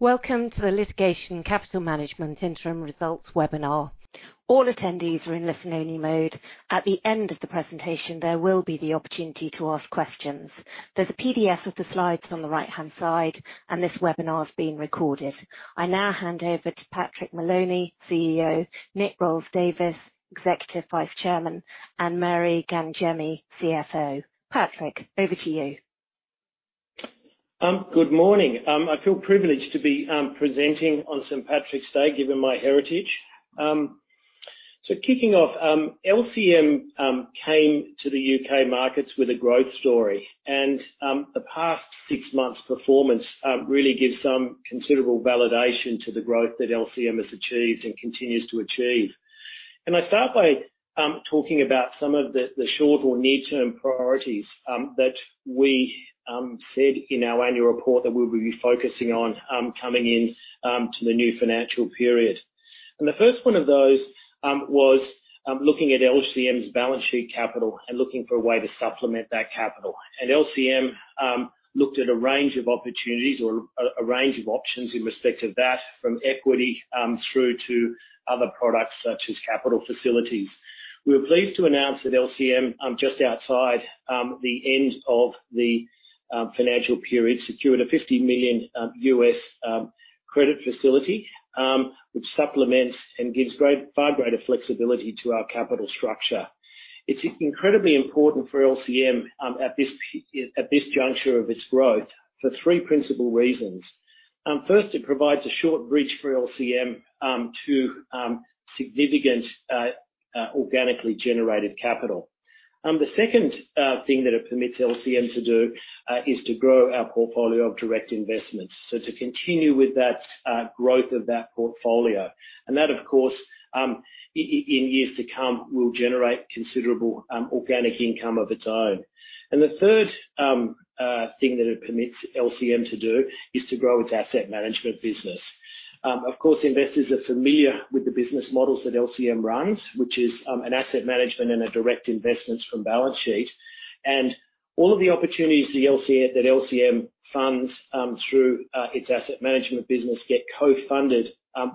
Welcome to the Litigation Capital Management Interim Results webinar. All attendees are in listen-only mode. At the end of the presentation, there will be the opportunity to ask questions. There is a PDF of the slides on the right-hand side, and this webinar is being recorded. I now hand over to Patrick Moloney, CEO, Nick Rowles-Davies, Executive Vice Chairman, and Mary Gangemi, CFO. Patrick, over to you. Good morning. I feel privileged to be presenting on St. Patrick's Day, given my heritage. Kicking off, LCM came to the U.K. markets with a growth story, and the past six months' performance really gives some considerable validation to the growth that LCM has achieved and continues to achieve. I start by talking about some of the short or near-term priorities that we said in our annual report that we would be focusing on coming in to the new financial period. The first one of those was looking at LCM's balance sheet capital and looking for a way to supplement that capital. LCM looked at a range of opportunities or a range of options in respect of that, from equity through to other products such as capital facilities. We are pleased to announce that LCM, just outside the end of the financial period, secured a $50 million credit facility, which supplements and gives far greater flexibility to our capital structure. It's incredibly important for LCM at this juncture of its growth for three principal reasons. First, it provides a short bridge for LCM to significant organically generated capital. The second thing that it permits LCM to do is to grow our portfolio of direct investments. To continue with that growth of that portfolio. That, of course, in years to come, will generate considerable organic income of its own. The third thing that it permits LCM to do is to grow its asset management business. Of course, investors are familiar with the business models that LCM runs, which is an asset management and a direct investments from balance sheet. All of the opportunities that LCM funds through its asset management business get co-funded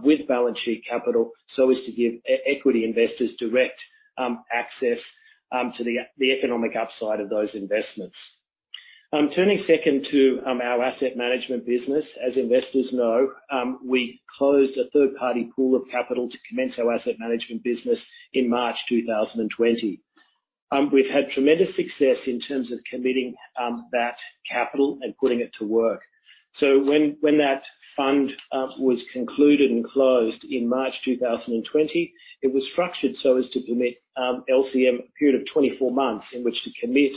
with balance sheet capital so as to give equity investors direct access to the economic upside of those investments. Turning second to our asset management business. As investors know, we closed a third-party pool of capital to commence our asset management business in March 2020. We've had tremendous success in terms of committing that capital and putting it to work. When that fund was concluded and closed in March 2020, it was structured so as to permit LCM a period of 24 months in which to commit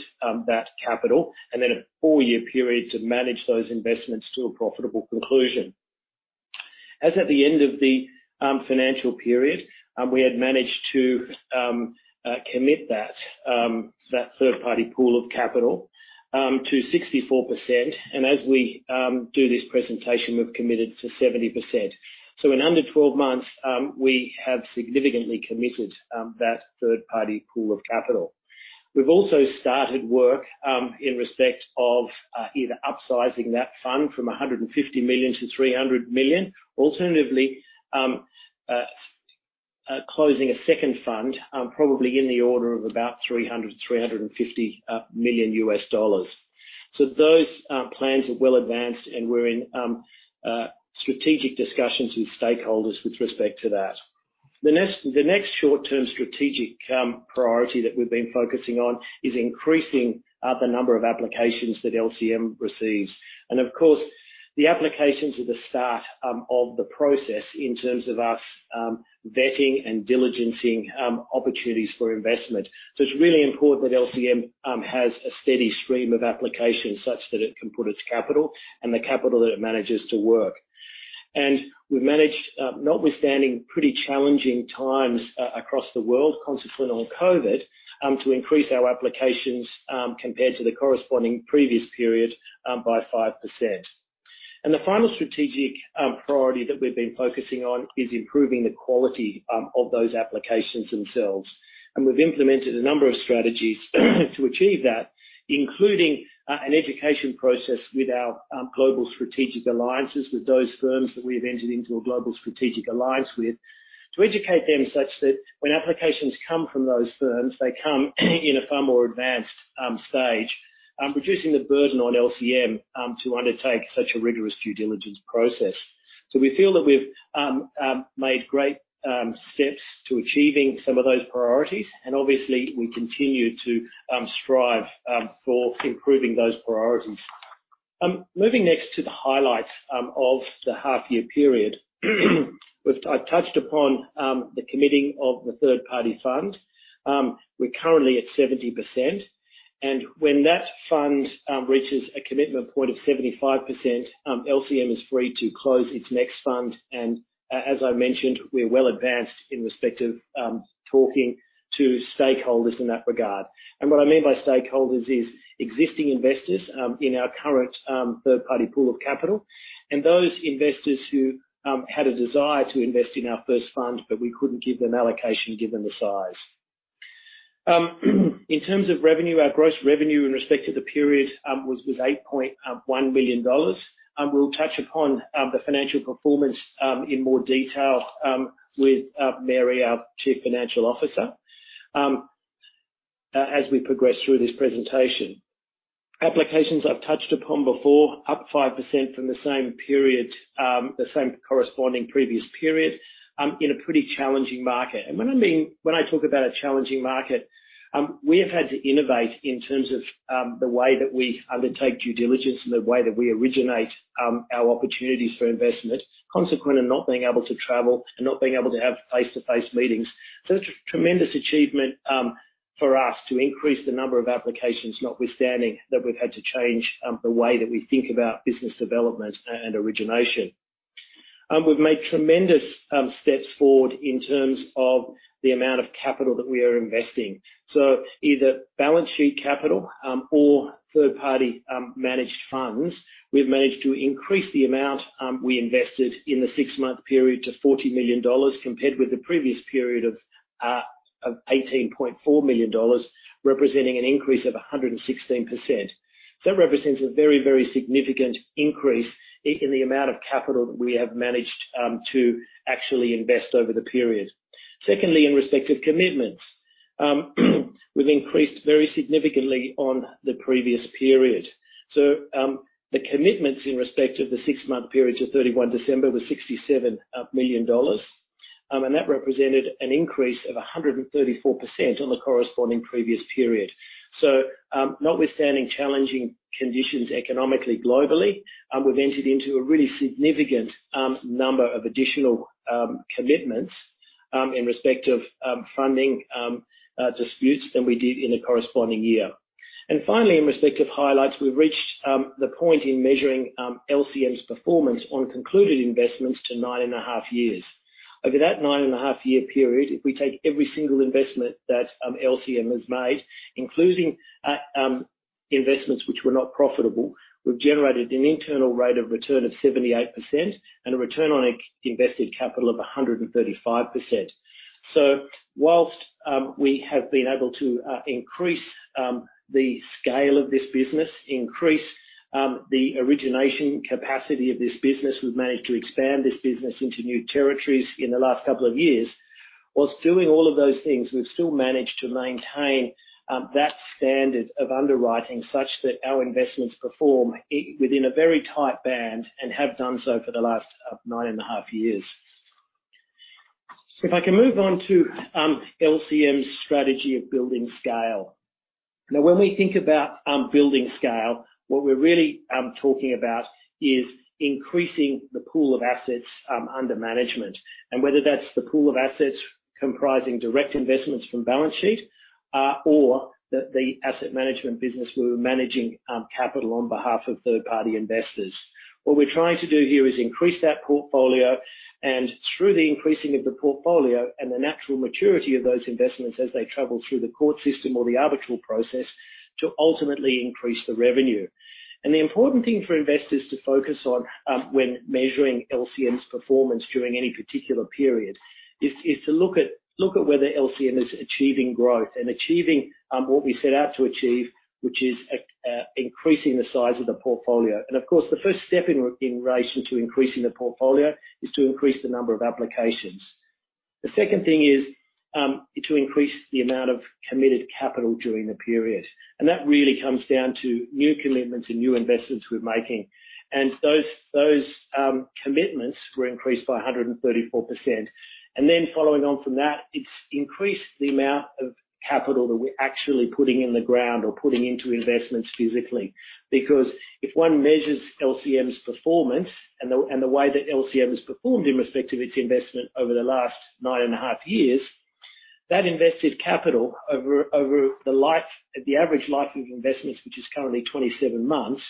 that capital, and then a four-year period to manage those investments to a profitable conclusion. As at the end of the financial period, we had managed to commit that third-party pool of capital to 64%, and as we do this presentation, we've committed to 70%. In under 12 months, we have significantly committed that third party pool of capital. We've also started work in respect of either upsizing that fund from $150 million-$300 million. Alternatively, closing a second fund, probably in the order of about $300 million-$350 million. Those plans are well advanced, and we're in strategic discussions with stakeholders with respect to that. The next short-term strategic priority that we've been focusing on is increasing the number of applications that LCM receives. Of course, the applications are the start of the process in terms of us vetting and diligencing opportunities for investment. It's really important that LCM has a steady stream of applications such that it can put its capital and the capital that it manages to work. We managed, notwithstanding pretty challenging times across the world consequent on COVID, to increase our applications compared to the corresponding previous period by 5%. The final strategic priority that we've been focusing on is improving the quality of those applications themselves. We've implemented a number of strategies to achieve that, including an education process with our global strategic alliances with those firms that we have entered into a global strategic alliance with to educate them such that when applications come from those firms, they come in a far more advanced stage, reducing the burden on LCM to undertake such a rigorous due diligence process. We feel that we've made great steps to achieving some of those priorities, and obviously, we continue to strive for improving those priorities. Moving next to the highlights of the half year period. I touched upon the committing of the third party fund. We're currently at 70%, when that fund reaches a commitment point of 75%, LCM is free to close its next fund, as I mentioned, we're well advanced in respect of talking to stakeholders in that regard. What I mean by stakeholders is existing investors in our current third party pool of capital and those investors who had a desire to invest in our first fund, but we couldn't give them allocation given the size. In terms of revenue, our gross revenue in respect to the period was $8.1 million. We'll touch upon the financial performance in more detail with Mary, our chief financial officer, as we progress through this presentation. Applications I've touched upon before, up 5% from the same corresponding previous period, in a pretty challenging market. What I mean when I talk about a challenging market, we have had to innovate in terms of the way that we undertake due diligence and the way that we originate our opportunities for investment, consequent of not being able to travel and not being able to have face-to-face meetings. It's a tremendous achievement for us to increase the number of applications, notwithstanding that we've had to change the way that we think about business development and origination. We've made tremendous steps forward in terms of the amount of capital that we are investing. Either balance sheet capital or third party managed funds, we've managed to increase the amount we invested in the six-month period to $40 million, compared with the previous period of $18.4 million, representing an increase of 116%. That represents a very, very significant increase in the amount of capital that we have managed to actually invest over the period. Secondly, in respect of commitments, we've increased very significantly on the previous period. The commitments in respect of the six-month period to 31 December was $67 million, and that represented an increase of 134% on the corresponding previous period. Notwithstanding challenging conditions economically globally, we've entered into a really significant number of additional commitments, in respect of funding disputes than we did in the corresponding year. In respect of highlights, we've reached the point in measuring LCM's performance on concluded investments to nine and a half years. Over that nine and a half year period, if we take every single investment that LCM has made, including investments which were not profitable, we've generated an internal rate of return of 78% and a return on invested capital of 135%. While we have been able to increase the scale of this business, increase the origination capacity of this business, we've managed to expand this business into new territories in the last couple of years. While doing all of those things, we've still managed to maintain that standard of underwriting such that our investments perform within a very tight band and have done so for the last nine and a half years. If I can move on to LCM's strategy of building scale. When we think about building scale, what we're really talking about is increasing the pool of assets under management. Whether that's the pool of assets comprising direct investments from balance sheet, or the asset management business, we're managing capital on behalf of third party investors. What we're trying to do here is increase that portfolio and through the increasing of the portfolio and the natural maturity of those investments as they travel through the court system or the arbitral process to ultimately increase the revenue. The important thing for investors to focus on, when measuring LCM's performance during any particular period is to look at whether LCM is achieving growth and achieving what we set out to achieve, which is increasing the size of the portfolio. Of course, the first step in relation to increasing the portfolio is to increase the number of applications. The second thing is to increase the amount of committed capital during the period. That really comes down to new commitments and new investments we're making. Those commitments were increased by 134%. Following on from that, it's increased the amount of capital that we're actually putting in the ground or putting into investments physically. Because if one measures LCM's performance and the way that LCM has performed in respect of its investment over the last nine and a half years, that invested capital over the average life of investments, which is currently 27 months,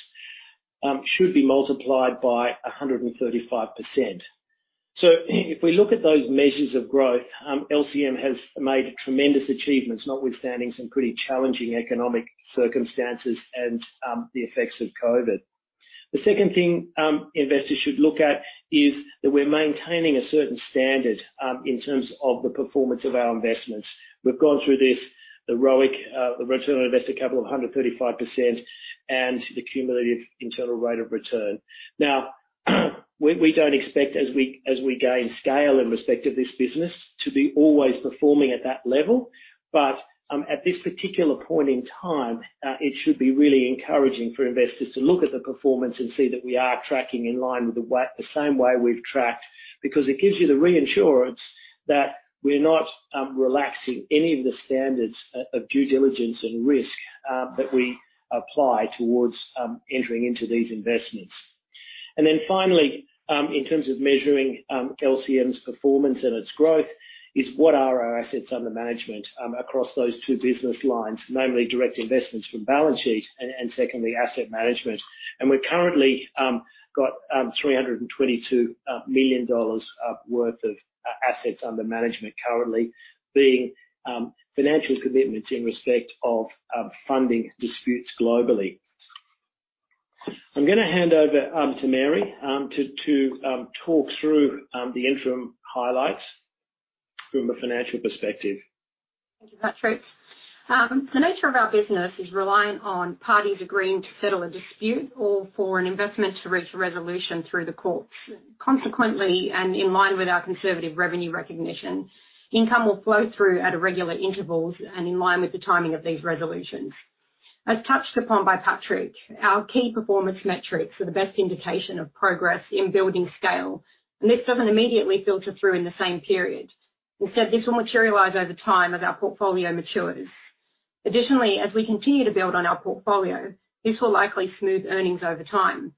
should be multiplied by 135%. If we look at those measures of growth, LCM has made tremendous achievements, notwithstanding some pretty challenging economic circumstances and the effects of COVID. The second thing investors should look at is that we're maintaining a certain standard in terms of the performance of our investments. We've gone through this, the ROIC, the return on invested capital of 135%, and the cumulative internal rate of return. We don't expect as we gain scale in respect of this business to be always performing at that level. At this particular point in time, it should be really encouraging for investors to look at the performance and see that we are tracking in line with the same way we've tracked, because it gives you the reassurance that we're not relaxing any of the standards of due diligence and risk that we apply towards entering into these investments. Finally, in terms of measuring LCM's performance and its growth is what are our assets under management, across those two business lines, namely direct investments from balance sheet and secondly, asset management. We've currently got $322 million worth of assets under management currently being financial commitments in respect of funding disputes globally. I'm going to hand over to Mary to talk through the interim highlights from a financial perspective. Thank you, Patrick. The nature of our business is reliant on parties agreeing to settle a dispute or for an investment to reach a resolution through the courts. Consequently, and in line with our conservative revenue recognition, income will flow through at irregular intervals and in line with the timing of these resolutions. As touched upon by Patrick, our key performance metrics are the best indication of progress in building scale, and this doesn't immediately filter through in the same period. Instead, this will materialize over time as our portfolio matures. Additionally, as we continue to build on our portfolio, this will likely smooth earnings over time.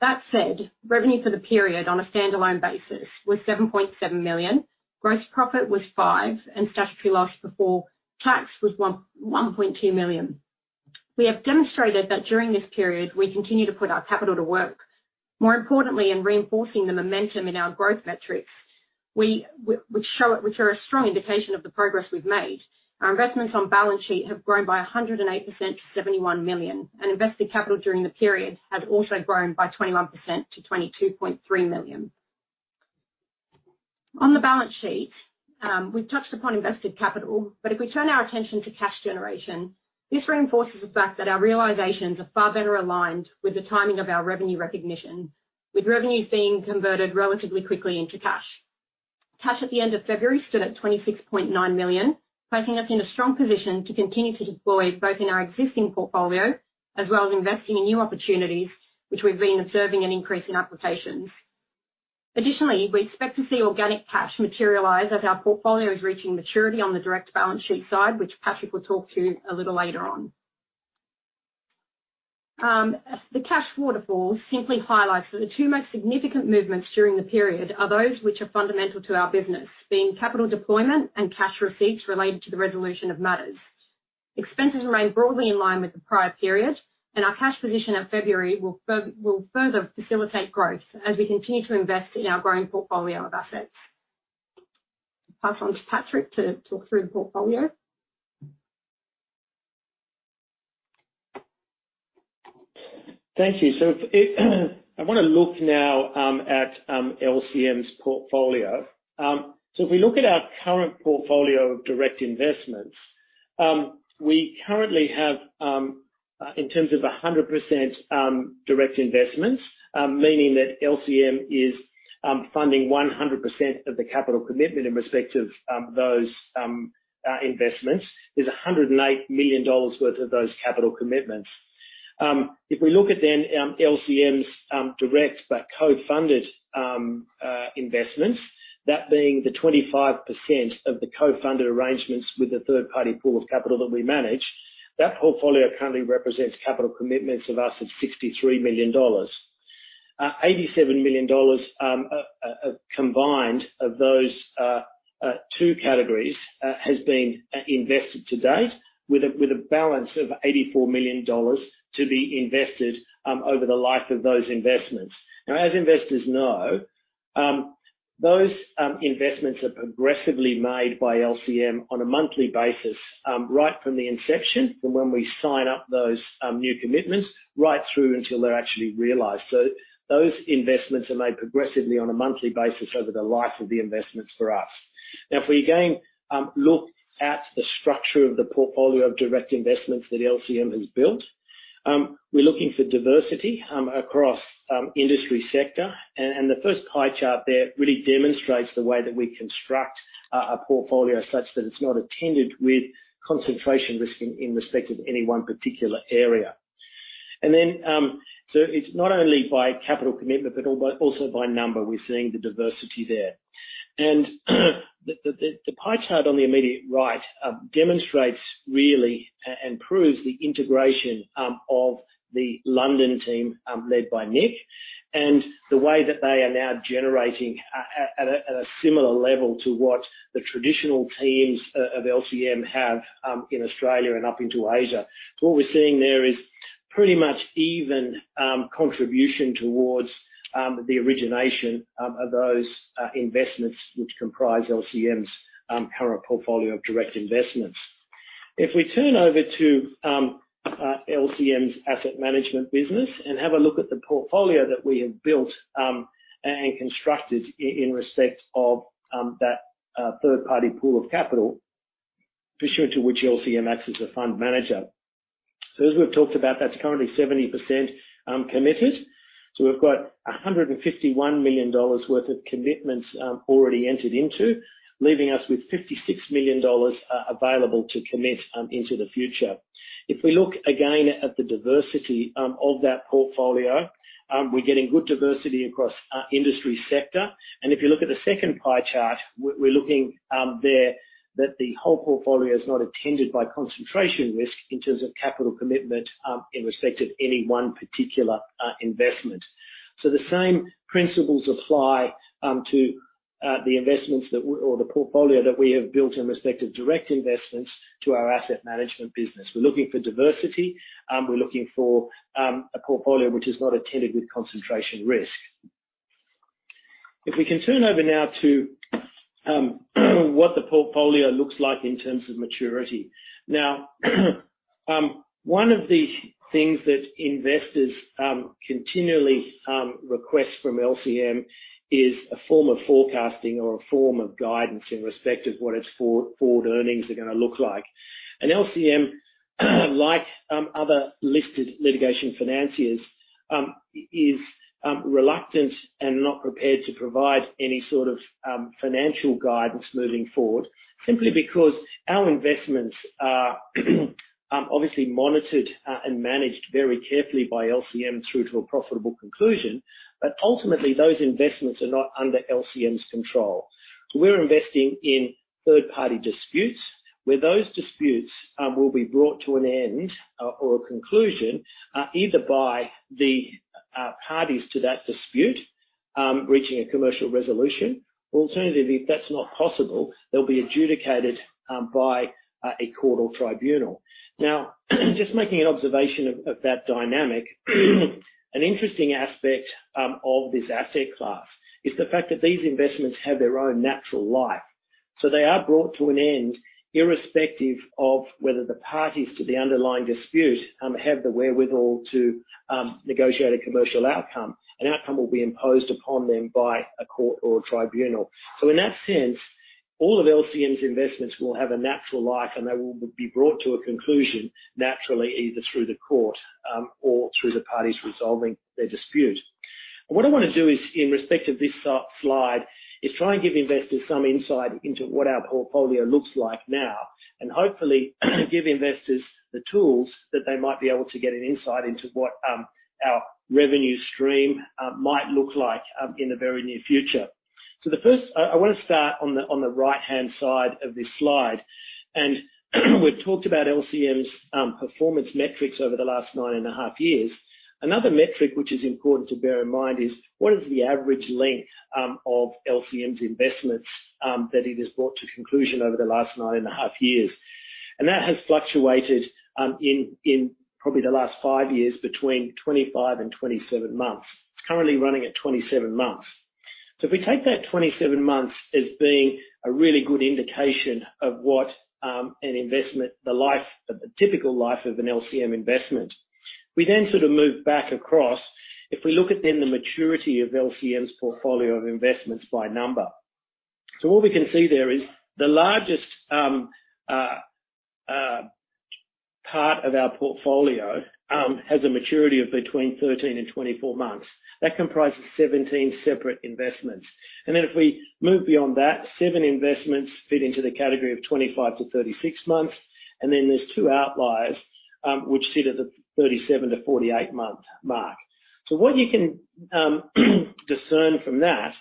That said, revenue for the period on a standalone basis was $7.7 million, gross profit was $5, and statutory loss before tax was $1.2 million. We have demonstrated that during this period, we continue to put our capital to work. More importantly, in reinforcing the momentum in our growth metrics, which are a strong indication of the progress we've made, our investments on balance sheet have grown by 108% to 71 million. Invested capital during the period had also grown by 21% to 22.3 million. On the balance sheet, we've touched upon invested capital. If we turn our attention to cash generation, this reinforces the fact that our realizations are far better aligned with the timing of our revenue recognition, with revenue being converted relatively quickly into cash. Cash at the end of February stood at 26.9 million, placing us in a strong position to continue to deploy both in our existing portfolio as well as investing in new opportunities, which we've been observing an increase in applications. Additionally, we expect to see organic cash materialize as our portfolio is reaching maturity on the direct balance sheet side, which Patrick will talk to a little later on. The cash waterfall simply highlights that the two most significant movements during the period are those which are fundamental to our business, being capital deployment and cash receipts related to the resolution of matters. Expenses remain broadly in line with the prior period, and our cash position at February will further facilitate growth as we continue to invest in our growing portfolio of assets. Pass on to Patrick to talk through the portfolio. Thank you. I want to look now at LCM's portfolio. If we look at our current portfolio of direct investments, we currently have, in terms of 100% direct investments, meaning that LCM is funding 100% of the capital commitment in respect of those investments. There's $108 million worth of those capital commitments. If we look at then LCM's direct but co-funded investments, that being the 25% of the co-funded arrangements with the third-party pool of capital that we manage, that portfolio currently represents capital commitments of us of $63 million. $87 million combined of those two categories has been invested to date, with a balance of $84 million to be invested over the life of those investments. As investors know, those investments are progressively made by LCM on a monthly basis, right from the inception, from when we sign up those new commitments, right through until they're actually realized. Those investments are made progressively on a monthly basis over the life of the investments for us. If we again look at the structure of the portfolio of direct investments that LCM has built, we're looking for diversity across industry sector. The first pie chart there really demonstrates the way that we construct a portfolio such that it's not attended with concentration risk in respect of any one particular area. It's not only by capital commitment, but also by number, we're seeing the diversity there. The pie chart on the immediate right demonstrates really and proves the integration of the London team led by Nick, and the way that they are now generating at a similar level to what the traditional teams of LCM have in Australia and up into Asia. What we're seeing there is pretty much even contribution towards the origination of those investments, which comprise LCM's current portfolio of direct investments. If we turn over to LCM's asset management business and have a look at the portfolio that we have built and constructed in respect of that third-party pool of capital, for sure to which LCM acts as a fund manager. As we've talked about, that's currently 70% committed. We've got $151 million worth of commitments already entered into, leaving us with $56 million available to commit into the future. If we look again at the diversity of that portfolio, we're getting good diversity across industry sector. If you look at the second pie chart, we're looking there that the whole portfolio is not attended by concentration risk in terms of capital commitment in respect of any one particular investment. The same principles apply to the investments or the portfolio that we have built in respect of direct investments to our asset management business. We're looking for diversity. We're looking for a portfolio which is not attended with concentration risk. If we can turn over now to what the portfolio looks like in terms of maturity. Now, one of the things that investors continually request from LCM is a form of forecasting or a form of guidance in respect of what its forward earnings are going to look like. LCM, like other listed litigation financiers, is reluctant and not prepared to provide any sort of financial guidance moving forward, simply because our investments are obviously monitored and managed very carefully by LCM through to a profitable conclusion, but ultimately, those investments are not under LCM's control. We're investing in third-party disputes, where those disputes will be brought to an end or a conclusion, either by the parties to that dispute reaching a commercial resolution, or alternatively, if that's not possible, they'll be adjudicated by a court or tribunal. Just making an observation of that dynamic, an interesting aspect of this asset class is the fact that these investments have their own natural life. They are brought to an end irrespective of whether the parties to the underlying dispute have the wherewithal to negotiate a commercial outcome. An outcome will be imposed upon them by a court or a tribunal. In that sense, all of LCM's investments will have a natural life, and they will be brought to a conclusion naturally, either through the court or through the parties resolving their dispute. What I want to do is in respect of this slide is try and give investors some insight into what our portfolio looks like now, and hopefully give investors the tools that they might be able to get an insight into what our revenue stream might look like in the very near future. The first, I want to start on the right-hand side of this slide. We've talked about LCM's performance metrics over the last nine and a half years. Another metric which is important to bear in mind is, what is the average length of LCM's investments that it has brought to conclusion over the last nine and a half years? That has fluctuated in probably the last five years between 25 and 27 months. It's currently running at 27 months. If we take that 27 months as being a really good indication of what an investment, the typical life of an LCM investment, we then sort of move back across. If we look at then the maturity of LCM's portfolio of investments by number. What we can see there is the largest part of our portfolio has a maturity of between 13 and 24 months. That comprises 17 separate investments. If we move beyond that, seven investments fit into the category of 25-36 months, and then there's two outliers, which sit at the 37-48-month mark. What you can discern from that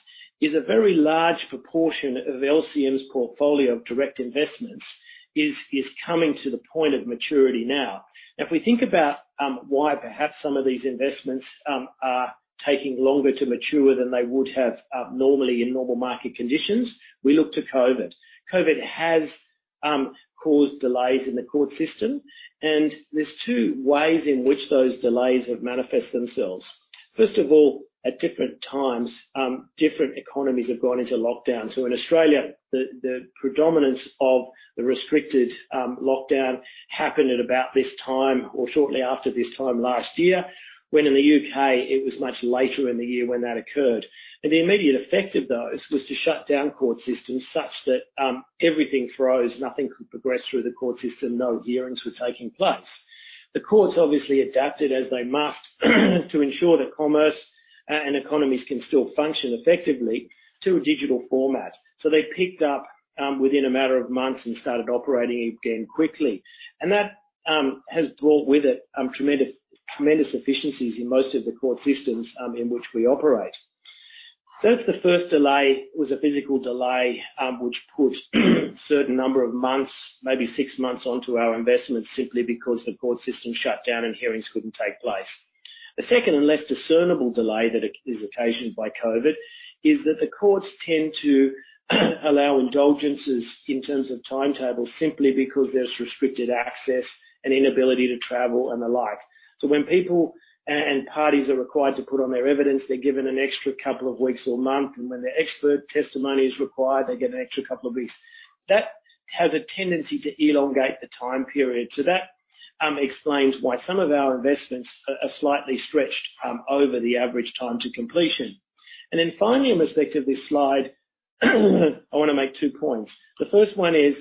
is a very large proportion of LCM's portfolio of direct investments is coming to the point of maturity now. Now, if we think about why perhaps some of these investments are taking longer to mature than they would have normally in normal market conditions, we look to COVID. COVID has caused delays in the court system, and there's two ways in which those delays have manifested themselves. First of all, at different times, different economies have gone into lockdown. In Australia, the predominance of the restricted lockdown happened at about this time or shortly after this time last year, when in the U.K. it was much later in the year when that occurred. The immediate effect of those was to shut down court systems such that everything froze. Nothing could progress through the court system. No hearings were taking place. The courts obviously adapted, as they must to ensure that commerce and economies can still function effectively to a digital format. They picked up within a matter of months and started operating again quickly. That has brought with it tremendous efficiencies in most of the court systems in which we operate. That's the first delay, was a physical delay, which put a certain number of months, maybe six months, onto our investments simply because the court system shut down and hearings couldn't take place. The second and less discernible delay that is occasioned by COVID is that the courts tend to allow indulgences in terms of timetables simply because there's restricted access and inability to travel and the like. When people and parties are required to put on their evidence, they're given an extra couple of weeks or month, and when their expert testimony is required, they get an extra couple of weeks. That has a tendency to elongate the time period. That explains why some of our investments are slightly stretched over the average time to completion. Finally, in respect of this slide, I want to make two points. The first one is,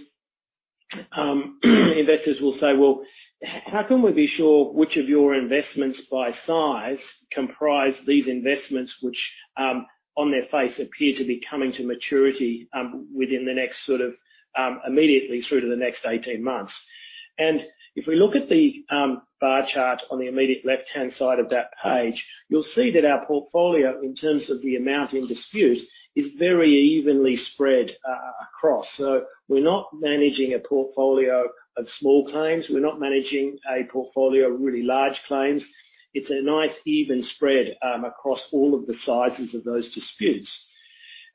investors will say, "Well, how can we be sure which of your investments by size comprise these investments which on their face appear to be coming to maturity within the next sort of immediately through to the next 18 months?" If we look at the bar chart on the immediate left-hand side of that page, you'll see that our portfolio, in terms of the amount in dispute, is very evenly spread across. We're not managing a portfolio of small claims. We're not managing a portfolio of really large claims. It's a nice even spread across all of the sizes of those disputes.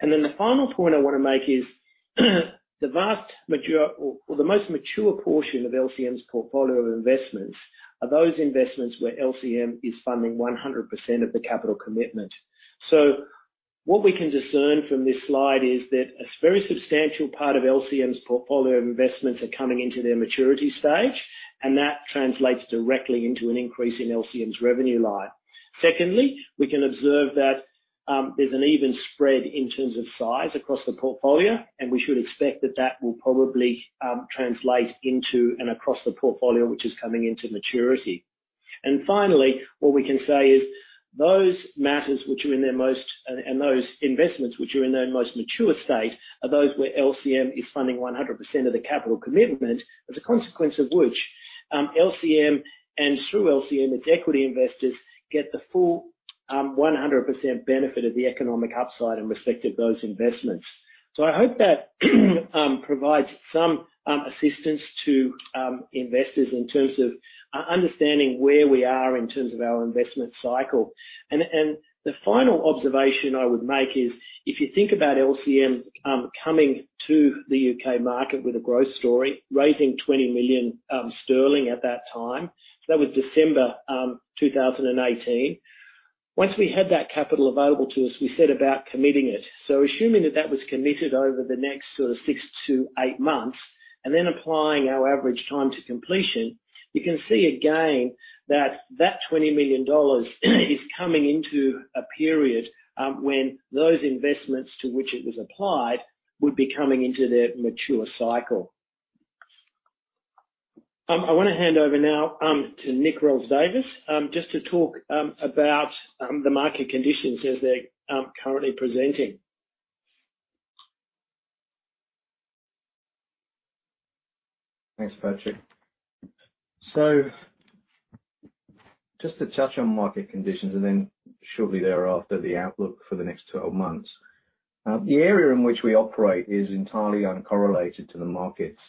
The final point I want to make is. The most mature portion of LCM's portfolio of investments are those investments where LCM is funding 100% of the capital commitment. What we can discern from this slide is that a very substantial part of LCM's portfolio investments are coming into their maturity stage, and that translates directly into an increase in LCM's revenue line. Secondly, we can observe that there's an even spread in terms of size across the portfolio, and we should expect that that will probably translate into and across the portfolio, which is coming into maturity. Finally, what we can say is, those matters and those investments which are in their most mature state, are those where LCM is funding 100% of the capital commitment. As a consequence of which, LCM and through LCM, its equity investors, get the full, 100% benefit of the economic upside in respect of those investments. I hope that provides some assistance to investors in terms of understanding where we are in terms of our investment cycle. The final observation I would make is, if you think about LCM coming to the U.K. market with a growth story, raising 20 million sterling at that time, that was December 2018. Once we had that capital available to us, we set about committing it. Assuming that that was committed over the next six to eight months, and then applying our average time to completion, you can see again that that GBP 20 million is coming into a period when those investments to which it was applied would be coming into their mature cycle. I want to hand over now to Nick Rowles-Davies, just to talk about the market conditions as they're currently presenting. Thanks, Patrick. Just to touch on market conditions and then shortly thereafter, the outlook for the next 12 months. The area in which we operate is entirely uncorrelated to the markets.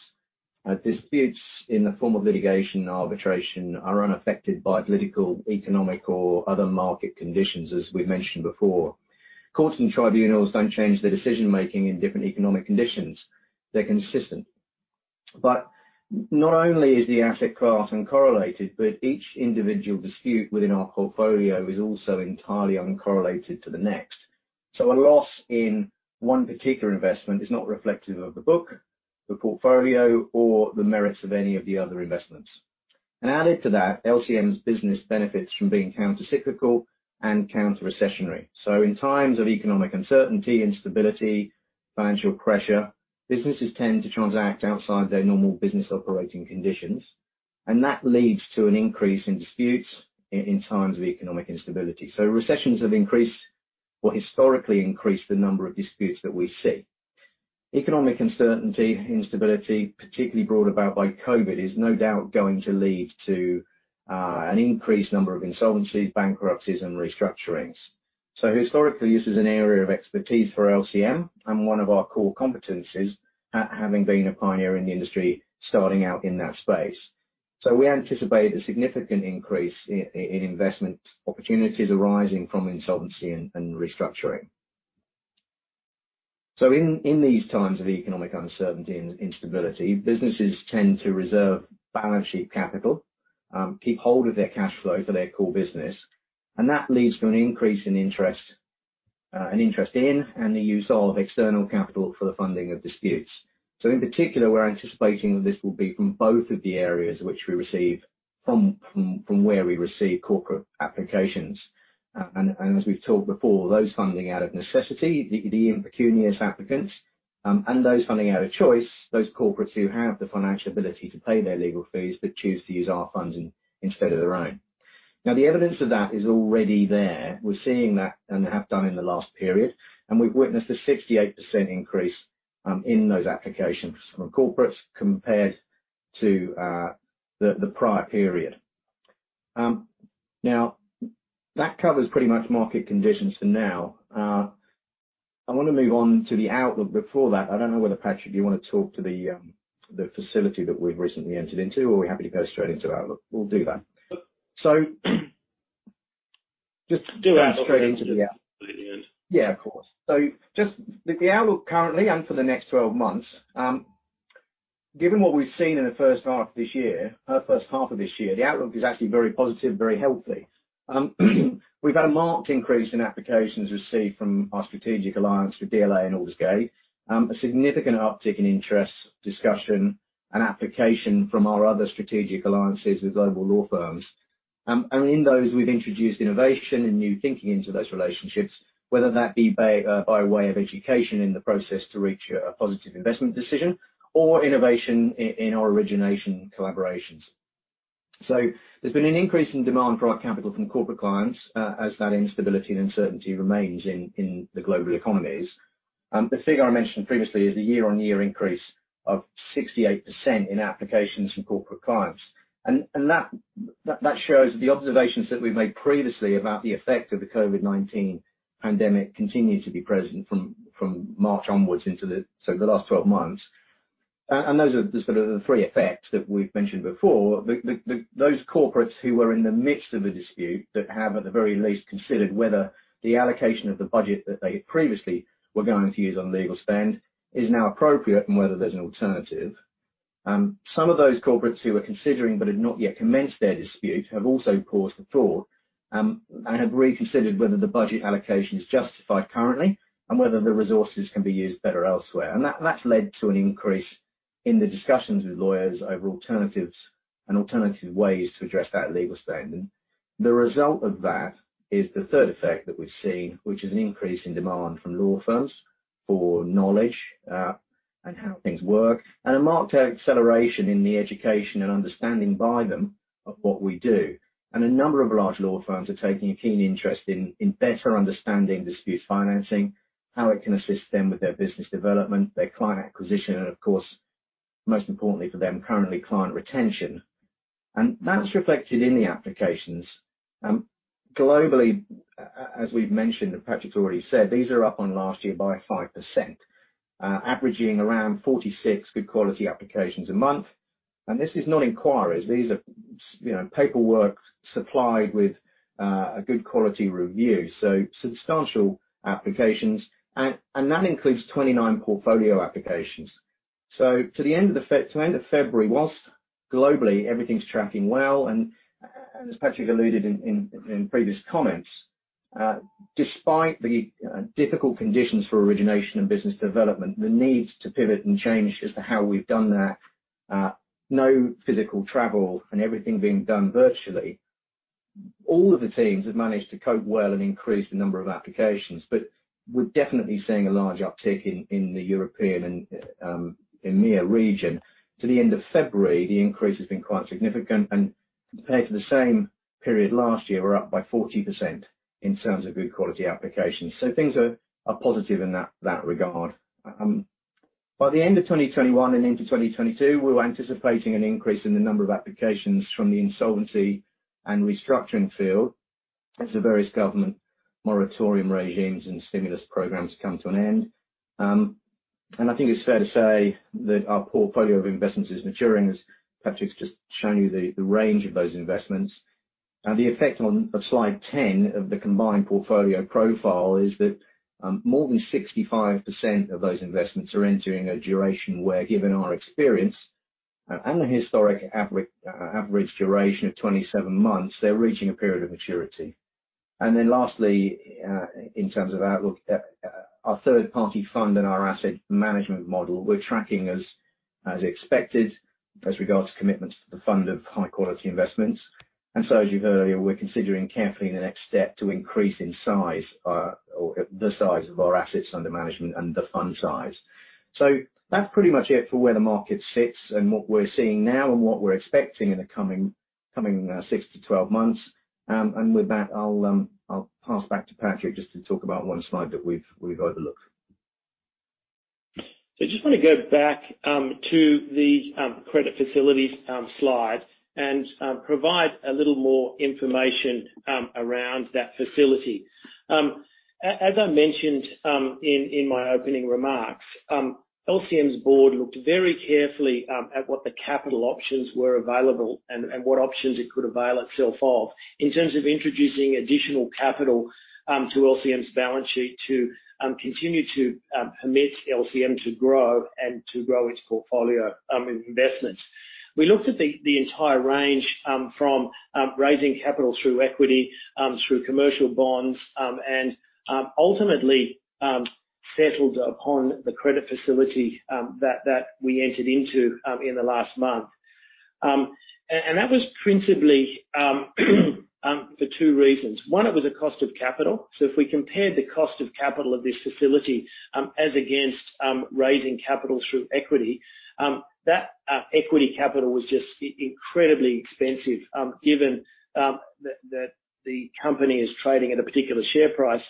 Disputes in the form of litigation and arbitration are unaffected by political, economic or other market conditions, as we've mentioned before. Courts and tribunals don't change their decision-making in different economic conditions. They're consistent. Not only is the asset class uncorrelated, but each individual dispute within our portfolio is also entirely uncorrelated to the next. A loss in one particular investment is not reflective of the book, the portfolio or the merits of any of the other investments. Added to that, LCM's business benefits from being countercyclical and counter-recessionary. In times of economic uncertainty, instability, financial pressure, businesses tend to transact outside their normal business operating conditions, and that leads to an increase in disputes in times of economic instability. Recessions have increased or historically increased the number of disputes that we see. Economic uncertainty, instability, particularly brought about by COVID, is no doubt going to lead to an increased number of insolvencies, bankruptcies, and restructurings. Historically, this is an area of expertise for LCM and one of our core competencies, having been a pioneer in the industry, starting out in that space. We anticipate a significant increase in investment opportunities arising from insolvency and restructuring. In these times of economic uncertainty and instability, businesses tend to reserve balance sheet capital, keep hold of their cash flow for their core business, and that leads to an increase in interest in and the use of external capital for the funding of disputes. In particular, we're anticipating that this will be from both of the areas from where we receive corporate applications. As we've talked before, those funding out of necessity, the impecunious applicants, and those funding out of choice, those corporates who have the financial ability to pay their legal fees, but choose to use our funding instead of their own. The evidence of that is already there. We're seeing that and have done in the last period, and we've witnessed a 68% increase in those applications from corporates compared to the prior period. That covers pretty much market conditions for now. I want to move on to the outlook before that. I don't know whether, Patrick, you want to talk to the facility that we've recently entered into, or are we happy to go straight into outlook? We'll do that. Do that straight into the outlook. Yeah. Of course. Just the outlook currently and for the next 12 months. Given what we've seen in the first half of this year, the outlook is actually very positive, very healthy. We've had a marked increase in applications received from our strategic alliance with DLA and Aldersgate. A significant uptick in interest, discussion, and application from our other strategic alliances with global law firms. In those, we've introduced innovation and new thinking into those relationships, whether that be by way of education in the process to reach a positive investment decision or innovation in our origination collaborations. There's been an increase in demand for our capital from corporate clients as that instability and uncertainty remains in the global economies. The figure I mentioned previously is a year-on-year increase of 68% in applications from corporate clients. That shows the observations that we've made previously about the effect of the COVID-19 pandemic continue to be present from March onwards into the last 12 months. Those are the sort of the three effects that we've mentioned before. Those corporates who were in the midst of a dispute that have, at the very least, considered whether the allocation of the budget that they previously were going to use on legal spend is now appropriate and whether there's an alternative. Some of those corporates who are considering, but have not yet commenced their dispute, have also paused to think and have reconsidered whether the budget allocation is justified currently and whether the resources can be used better elsewhere. That's led to an increase in the discussions with lawyers over alternatives and alternative ways to address that legal spend. The result of that is the third effect that we've seen, which is an increase in demand from law firms for knowledge, and how things work, and a marked acceleration in the education and understanding by them of what we do. A number of large law firms are taking a keen interest in better understanding dispute financing, how it can assist them with their business development, their client acquisition, and of course, most importantly for them currently, client retention. That's reflected in the applications. Globally, as we've mentioned, and Patrick already said, these are up on last year by 5%, averaging around 46 good quality applications a month. This is not inquiries. These are paperwork supplied with a good quality review, so substantial applications. That includes 29 portfolio applications. To end of February, whilst globally everything's tracking well, and as Patrick alluded in previous comments, despite the difficult conditions for origination and business development, the needs to pivot and change as to how we've done that, no physical travel and everything being done virtually, all of the teams have managed to cope well and increase the number of applications. We're definitely seeing a large uptick in the European and EMEA region. To the end of February, the increase has been quite significant, and compared to the same period last year, we're up by 40% in terms of good quality applications. Things are positive in that regard. By the end of 2021 and into 2022, we were anticipating an increase in the number of applications from the insolvency and restructuring field as the various government moratorium regimes and stimulus programs come to an end. I think it's fair to say that our portfolio of investments is maturing, as Patrick's just shown you the range of those investments. The effect on slide 10 of the combined portfolio profile is that more than 65% of those investments are entering a duration where, given our experience and the historic average duration of 27 months, they're reaching a period of maturity. Lastly, in terms of outlook, our third party fund and our asset management model, we're tracking as expected as regards to commitments to the fund of high quality investments. As you've heard earlier, we're considering carefully the next step to increase in size or the size of our assets under management and the fund size. That's pretty much it for where the market sits and what we're seeing now and what we're expecting in the coming six to 12 months. With that, I'll pass back to Patrick just to talk about one slide that we've overlooked. I just want to go back to the credit facilities slide and provide a little more information around that facility. As I mentioned in my opening remarks, LCM's board looked very carefully at what the capital options were available and what options it could avail itself of in terms of introducing additional capital to LCM's balance sheet to continue to permit LCM to grow and to grow its portfolio of investments. We looked at the entire range, from raising capital through equity, through commercial bonds, and ultimately settled upon the credit facility that we entered into in the last month. That was principally for two reasons. One, it was the cost of capital. If we compared the cost of capital of this facility as against raising capital through equity, that equity capital was just incredibly expensive, given that the company is trading at a particular share price,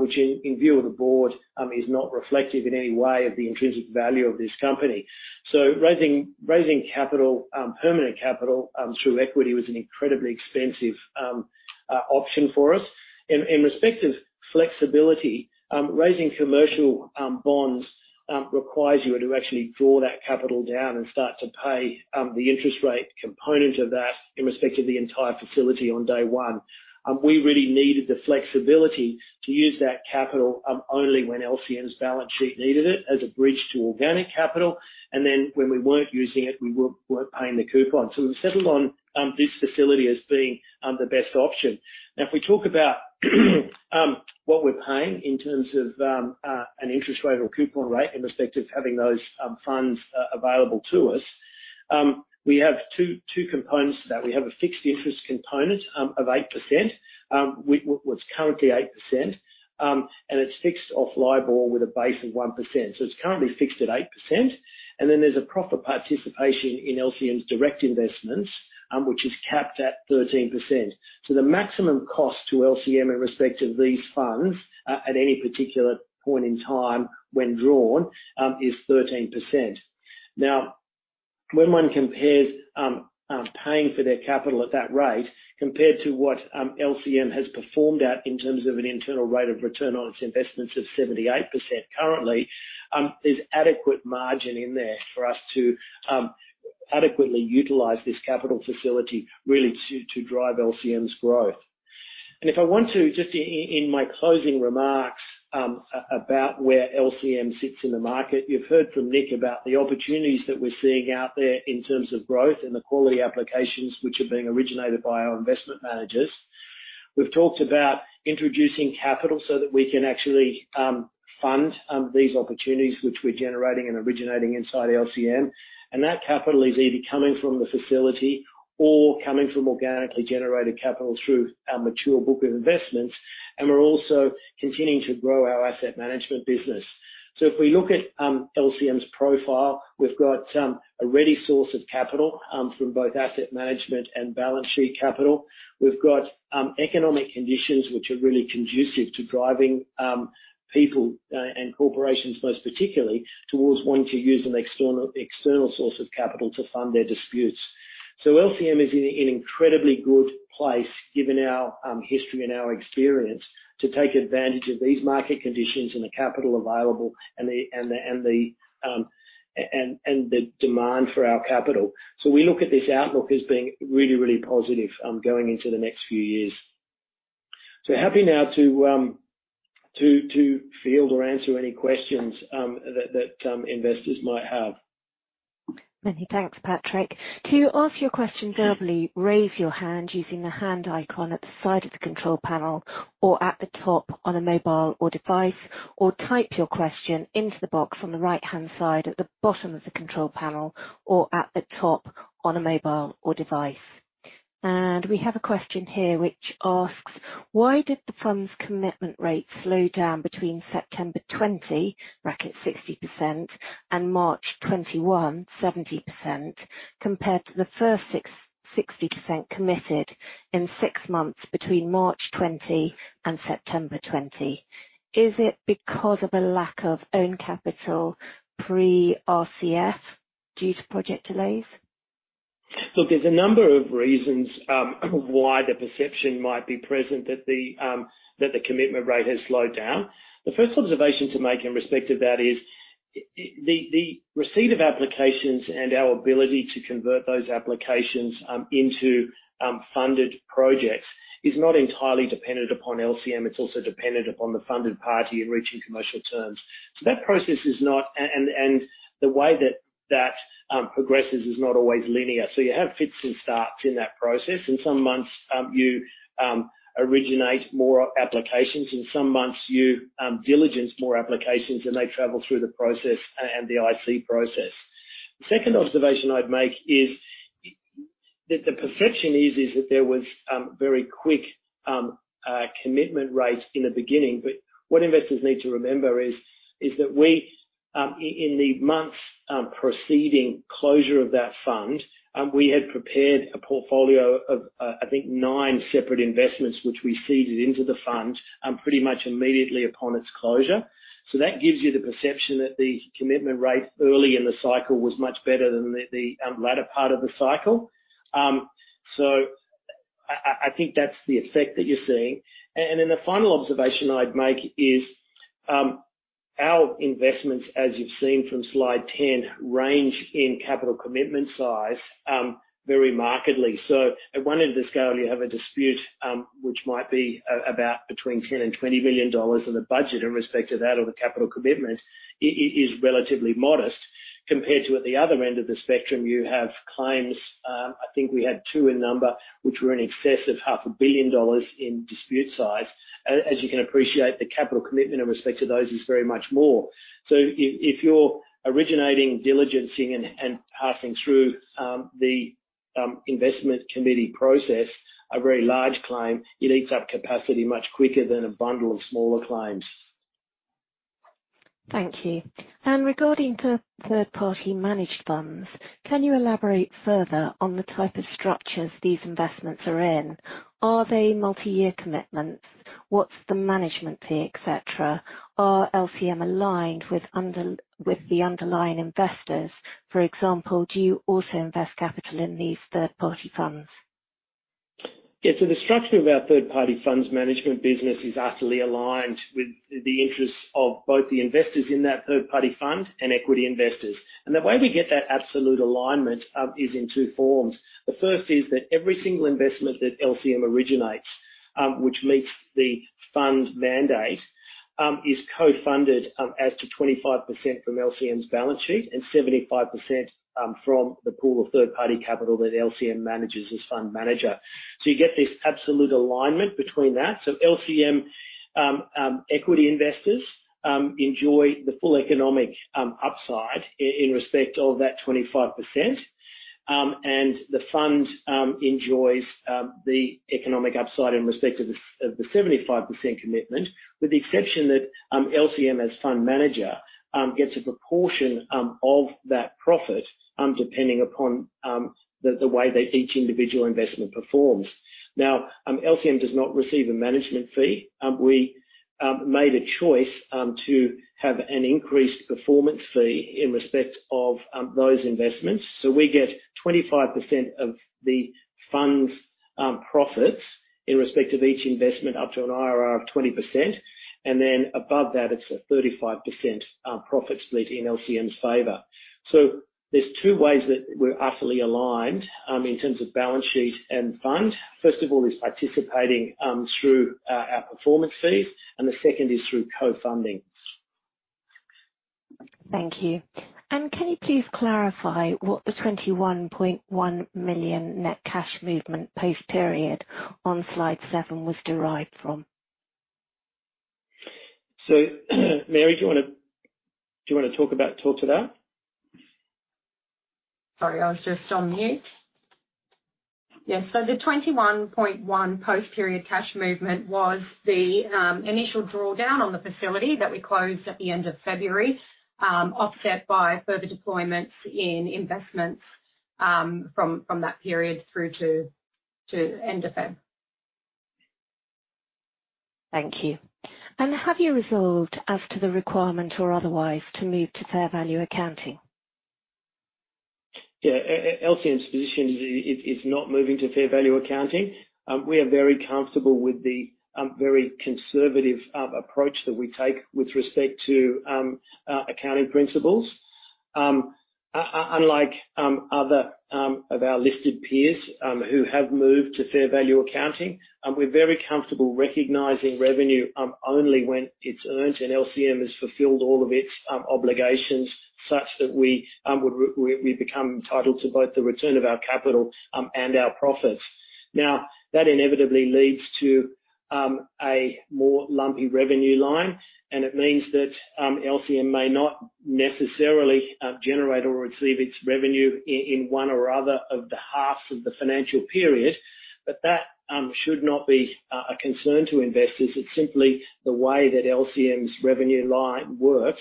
which in view of the board, is not reflective in any way of the intrinsic value of this company. Raising capital, permanent capital through equity was an incredibly expensive option for us. In respect of flexibility, raising commercial bonds requires you to actually draw that capital down and start to pay the interest rate component of that in respect of the entire facility on day one. We really needed the flexibility to use that capital only when LCM's balance sheet needed it as a bridge to organic capital. When we weren't using it, we weren't paying the coupon. We settled on this facility as being the best option. If we talk about what we're paying in terms of an interest rate or coupon rate in respect of having those funds available to us, we have two components to that. We have a fixed interest component of 8%, what's currently 8%, and it's fixed off LIBOR with a base of 1%. It's currently fixed at 8%, and then there's a profit participation in LCM's direct investments, which is capped at 13%. The maximum cost to LCM in respect of these funds at any particular point in time when drawn is 13%. When one compares paying for their capital at that rate, compared to what LCM has performed at in terms of an internal rate of return on its investments of 78% currently, there's adequate margin in there for us to adequately utilize this capital facility really to drive LCM's growth. If I want to, just in my closing remarks, about where LCM sits in the market, you've heard from Nick about the opportunities that we're seeing out there in terms of growth and the quality applications which are being originated by our investment managers. We've talked about introducing capital so that we can actually fund these opportunities which we're generating and originating inside LCM, that capital is either coming from the facility or coming from organically generated capital through our mature book of investments, we're also continuing to grow our asset management business. If we look at LCM's profile, we've got a ready source of capital, from both asset management and balance sheet capital. We've got economic conditions which are really conducive to driving people, and corporations most particularly, towards wanting to use an external source of capital to fund their disputes. LCM is in an incredibly good place, given our history and our experience, to take advantage of these market conditions and the capital available and the demand for our capital. We look at this outlook as being really, really positive going into the next few years. Happy now to field or answer any questions that investors might have. Many thanks, Patrick. To ask your questions, kindly raise your hand using the hand icon at the side of the control panel or at the top on a mobile or device, or type your question into the box on the right-hand side at the bottom of the control panel or at the top on a mobile or device. We have a question here which asks, "Why did the firm's commitment rate slow down between September 20 (60%) and March 21 (70%), compared to the first 60% committed in six months between March 20 and September 20? Is it because of a lack of own capital pre-RCF due to project delays? Look, there's a number of reasons why the perception might be present that the commitment rate has slowed down. The first observation to make in respect to that is, the receipt of applications and our ability to convert those applications into funded projects is not entirely dependent upon LCM. It's also dependent upon the funded party in reaching commercial terms. The way that progresses is not always linear. You have fits and starts in that process. In some months you originate more applications. In some months you diligence more applications and they travel through the process and the IC process. The second observation I'd make is that the perception is that there was very quick commitment rates in the beginning. What investors need to remember is that in the months preceding closure of that fund, we had prepared a portfolio of, I think, nine separate investments which we seeded into the fund pretty much immediately upon its closure. That gives you the perception that the commitment rate early in the cycle was much better than the latter part of the cycle. I think that's the effect that you're seeing. Then the final observation I'd make is, our investments, as you've seen from slide 10, range in capital commitment size very markedly. At one end of the scale, you have a dispute, which might be about between 10 million and GBP 20 million, and the budget in respect to that or the capital commitment is relatively modest compared to at the other end of the spectrum, you have claims, I think we had two in number, which were in excess of half a billion GBP in dispute size. As you can appreciate, the capital commitment in respect to those is very much more. If you're originating, diligencing, and passing through the investment committee process a very large claim, it eats up capacity much quicker than a bundle of smaller claims. Thank you. Regarding third party managed funds, can you elaborate further on the type of structures these investments are in? Are they multi-year commitments? What's the management fee, et cetera? Are LCM aligned with the underlying investors? For example, do you also invest capital in these third-party funds? Yeah. The structure of our third-party funds management business is utterly aligned with the interests of both the investors in that third-party fund and equity investors. The way we get that absolute alignment is in two forms. The first is that every single investment that LCM originates, which meets the fund mandate, is co-funded as to 25% from LCM's balance sheet and 75% from the pool of third-party capital that LCM manages as fund manager. You get this absolute alignment between that. LCM equity investors enjoy the full economic upside in respect of that 25%, and the fund enjoys the economic upside in respect of the 75% commitment, with the exception that LCM as fund manager gets a proportion of that profit, depending upon the way that each individual investment performs. Now, LCM does not receive a management fee. Made a choice to have an increased performance fee in respect of those investments. We get 25% of the fund's profits in respect of each investment, up to an IRR of 20%, and then above that, it's a 35% profit split in LCM's favor. There's two ways that we're utterly aligned in terms of balance sheet and fund. First of all, is participating through our performance fees, and the second is through co-funding. Thank you. Can you please clarify what the $21.1 million net cash movement post-period on slide seven was derived from? Mary, do you want to talk to that? Sorry, I was just on mute. Yes. The $21.1 post-period cash movement was the initial drawdown on the facility that we closed at the end of February, offset by further deployments in investments from that period through to end of Feb. Thank you. Have you resolved as to the requirement or otherwise to move to fair value accounting? LCM's position is not moving to fair value accounting. We are very comfortable with the very conservative approach that we take with respect to accounting principles. Unlike other of our listed peers who have moved to fair value accounting, we're very comfortable recognizing revenue only when it's earned and LCM has fulfilled all of its obligations such that we become entitled to both the return of our capital and our profits. That inevitably leads to a more lumpy revenue line, and it means that LCM may not necessarily generate or receive its revenue in one or other of the halves of the financial period. That should not be a concern to investors. It's simply the way that LCM's revenue line works,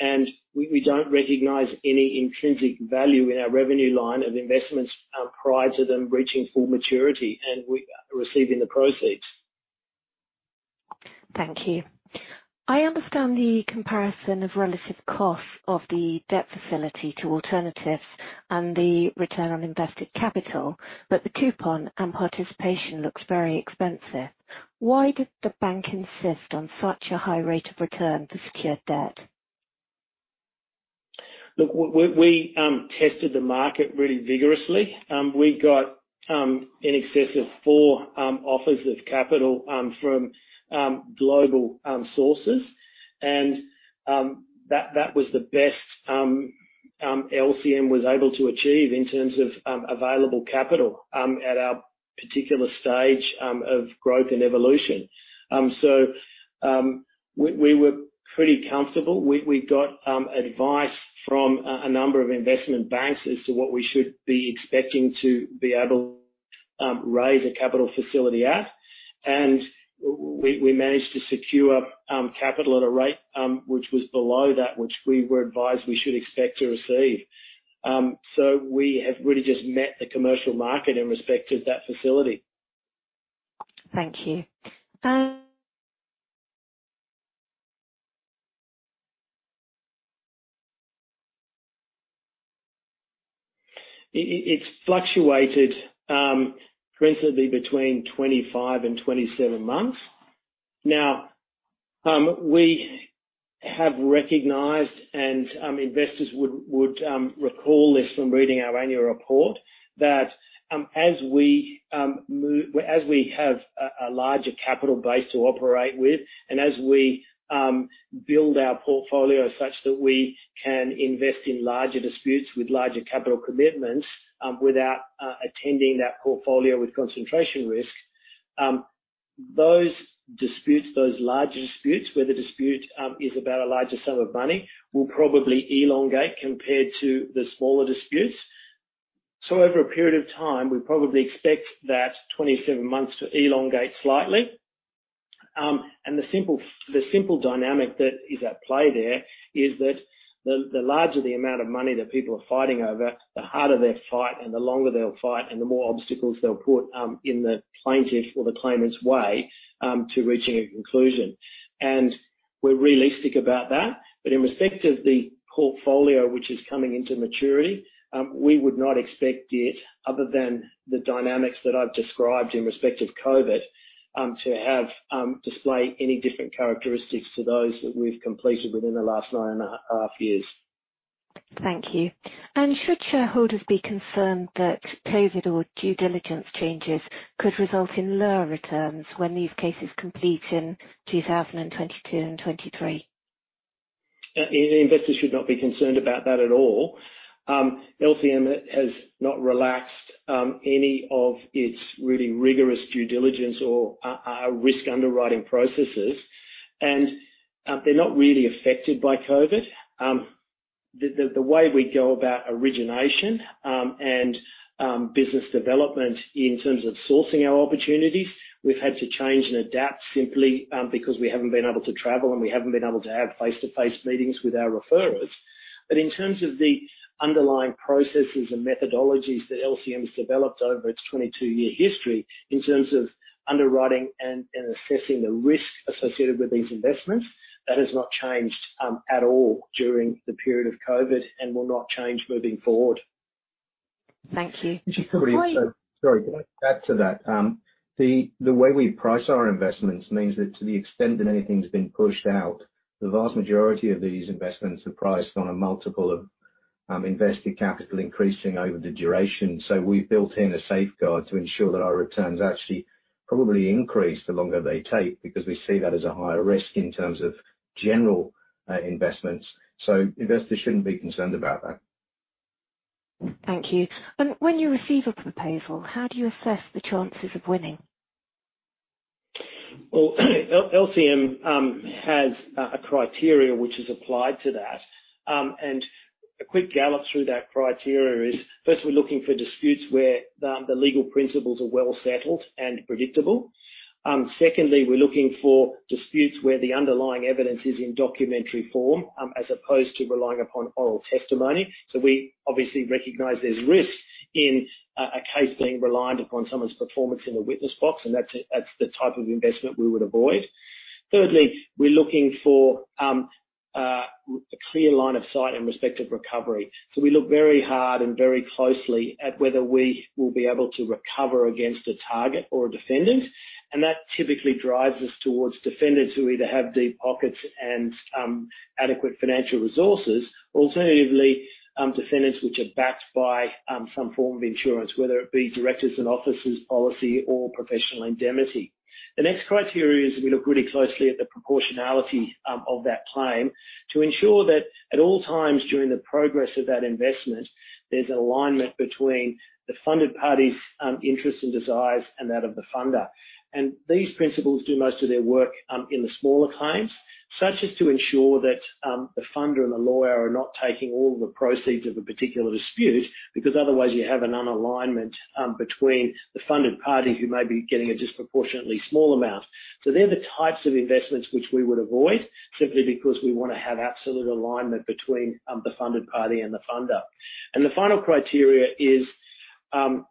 and we don't recognize any intrinsic value in our revenue line of investments prior to them reaching full maturity and receiving the proceeds. Thank you. I understand the comparison of relative cost of the debt facility to alternatives and the return on invested capital, but the coupon and participation looks very expensive. Why did the bank insist on such a high rate of return for secured debt? Look, we tested the market really vigorously. We got in excess of four offers of capital from global sources, and that was the best LCM was able to achieve in terms of available capital at our particular stage of growth and evolution. We were pretty comfortable. We got advice from a number of investment banks as to what we should be expecting to be able raise a capital facility at. We managed to secure capital at a rate which was below that which we were advised we should expect to receive. We have really just met the commercial market in respect of that facility. Thank you. It's fluctuated presently between 25 and 27 months. We have recognized, and investors would recall this from reading our annual report, that as we have a larger capital base to operate with, and as we build our portfolio such that we can invest in larger disputes with larger capital commitments without affecting that portfolio with concentration risk. Those disputes, those larger disputes, where the dispute is about a larger sum of money, will probably elongate compared to the smaller disputes. Over a period of time, we probably expect that 27 months to elongate slightly. The simple dynamic that is at play there is that the larger the amount of money that people are fighting over, the harder they'll fight and the longer they'll fight and the more obstacles they'll put in the plaintiff or the claimant's way to reaching a conclusion. We're realistic about that. In respect of the portfolio which is coming into maturity, we would not expect it, other than the dynamics that I've described in respect of COVID, to display any different characteristics to those that we've completed within the last nine and a half years. Thank you. Should shareholders be concerned that COVID or due diligence changes could result in lower returns when these cases complete in 2022 and 2023? Investors should not be concerned about that at all. LCM has not relaxed any of its really rigorous due diligence or risk underwriting processes. They're not really affected by COVID. The way we go about origination and business development in terms of sourcing our opportunities, we've had to change and adapt simply because we haven't been able to travel and we haven't been able to have face-to-face meetings with our referrers. In terms of the underlying processes and methodologies that LCM has developed over its 22-year history, in terms of underwriting and assessing the risks associated with these investments, that has not changed at all during the period of COVID and will not change moving forward. Thank you. Sorry. Can I add to that? The way we price our investments means that to the extent that anything's been pushed out, the vast majority of these investments are priced on a multiple of invested capital increasing over the duration. We've built in a safeguard to ensure that our returns actually probably increase the longer they take, because we see that as a higher risk in terms of general investments. Investors shouldn't be concerned about that. Thank you. When you receive a proposal, how do you assess the chances of winning? Well, LCM has a criteria which is applied to that. A quick gallop through that criteria is, first we're looking for disputes where the legal principles are well settled and predictable. Secondly, we're looking for disputes where the underlying evidence is in documentary form, as opposed to relying upon oral testimony. We obviously recognize there's risk in a case being reliant upon someone's performance in the witness box, and that's the type of investment we would avoid. Thirdly, we're looking for a clear line of sight in respect of recovery. We look very hard and very closely at whether we will be able to recover against a target or a defendant, and that typically drives us towards defendants who either have deep pockets and adequate financial resources. Alternatively, defendants which are backed by some form of insurance, whether it be directors and officers policy or professional indemnity. The next criteria is we look really closely at the proportionality of that claim to ensure that at all times during the progress of that investment, there's an alignment between the funded party's interests and desires and that of the funder. These principles do most of their work in the smaller claims, such as to ensure that the funder and the lawyer are not taking all the proceeds of a particular dispute, because otherwise you have an un-alignment between the funded party who may be getting a disproportionately small amount. They're the types of investments which we would avoid, simply because we want to have absolute alignment between the funded party and the funder. The final criteria is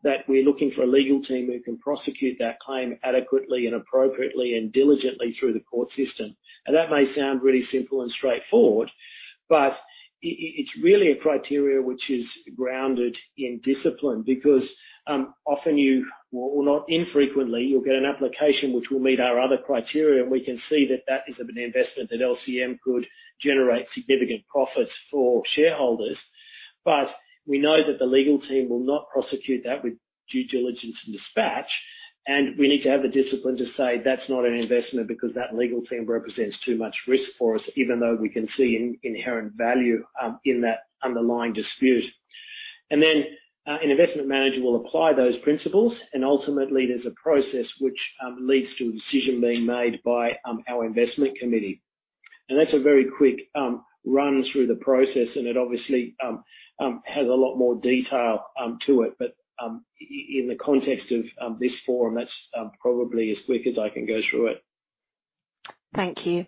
that we're looking for a legal team who can prosecute that claim adequately and appropriately and diligently through the court system. That may sound really simple and straightforward, but it's really a criteria which is grounded in discipline because often you not infrequently, you'll get an application which will meet our other criteria, and we can see that that is an investment that LCM could generate significant profits for shareholders. We know that the legal team will not prosecute that with due diligence and dispatch, and we need to have the discipline to say, "That's not an investment, because that legal team represents too much risk for us," even though we can see inherent value in that underlying dispute. An investment manager will apply those principles, and ultimately, there's a process which leads to a decision being made by our investment committee. That's a very quick run through the process, and it obviously has a lot more detail to it. In the context of this forum, that's probably as quick as I can go through it. Thank you.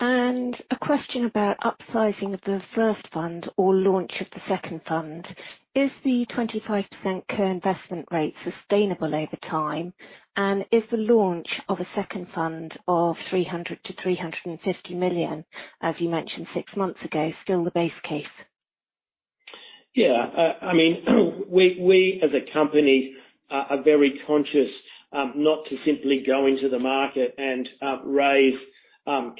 A question about upsizing of the first fund or launch of the second fund. Is the 25% co-investment rate sustainable over time? Is the launch of a second fund of $300 million-$350 million, as you mentioned six months ago, still the base case? Yeah. We as a company are very conscious not to simply go into the market and raise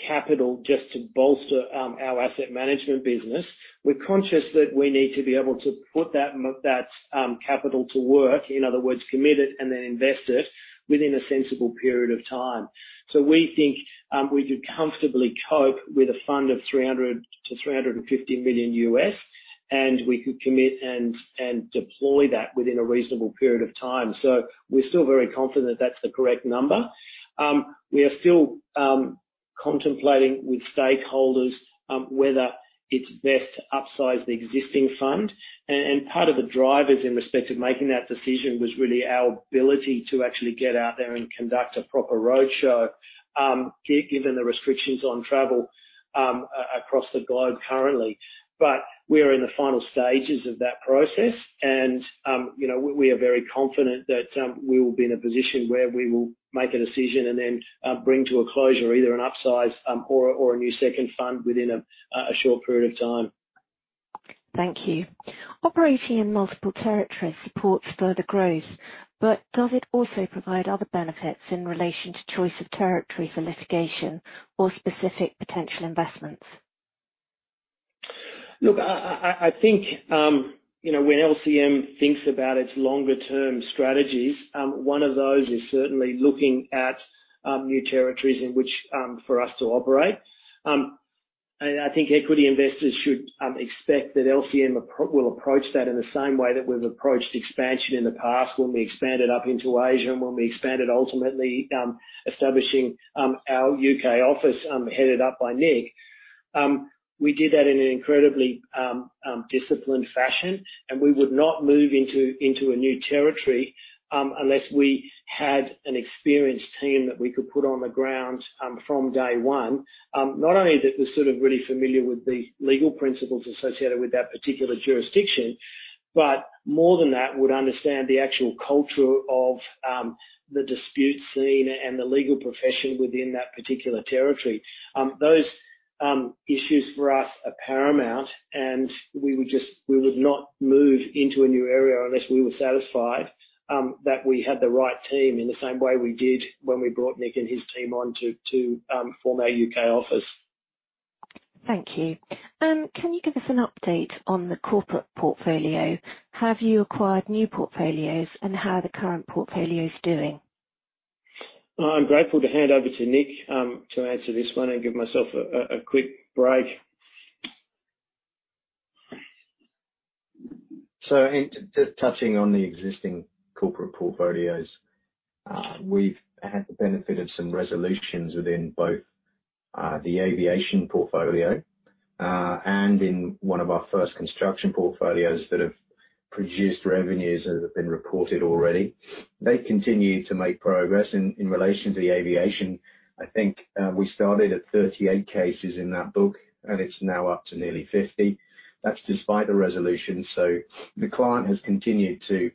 capital just to bolster our asset management business. We're conscious that we need to be able to put that capital to work, in other words, commit it and then invest it within a sensible period of time. We think we could comfortably cope with a fund of $300 million-$350 million and we could commit and deploy that within a reasonable period of time. We're still very confident that's the correct number. We are still contemplating with stakeholders whether it's best to upsize the existing fund. Part of the drivers in respect of making that decision was really our ability to actually get out there and conduct a proper roadshow, given the restrictions on travel across the globe currently. We're in the final stages of that process and we are very confident that we will be in a position where we will make a decision and then bring to a closure either an upsize or a new second fund within a short period of time. Thank you. Operating in multiple territories supports further growth, but does it also provide other benefits in relation to choice of territory for litigation or specific potential investments? Look, I think when LCM thinks about its longer-term strategies, one of those is certainly looking at new territories in which for us to operate. I think equity investors should expect that LCM will approach that in the same way that we've approached expansion in the past when we expanded up into Asia and when we expanded, ultimately establishing our U.K. office, headed up by Nick. We did that in an incredibly disciplined fashion, and we would not move into a new territory unless we had an experienced team that we could put on the ground from day one. Not only that was sort of really familiar with the legal principles associated with that particular jurisdiction, but more than that, would understand the actual culture of the dispute scene and the legal profession within that particular territory. Those issues for us are paramount, and we would not move into a new area unless we were satisfied that we had the right team in the same way we did when we brought Nick and his team on to form our U.K. office. Thank you. Can you give us an update on the corporate portfolio? Have you acquired new portfolios, and how are the current portfolios doing? I'm grateful to hand over to Nick to answer this one and give myself a quick break. Just touching on the existing corporate portfolios. We've had the benefit of some resolutions within both the aviation portfolio, and in one of our first construction portfolios that have produced revenues that have been reported already. They continue to make progress. In relation to the aviation, I think we started at 38 cases in that book, and it's now up to nearly 50. That's despite the resolution. The client has continued to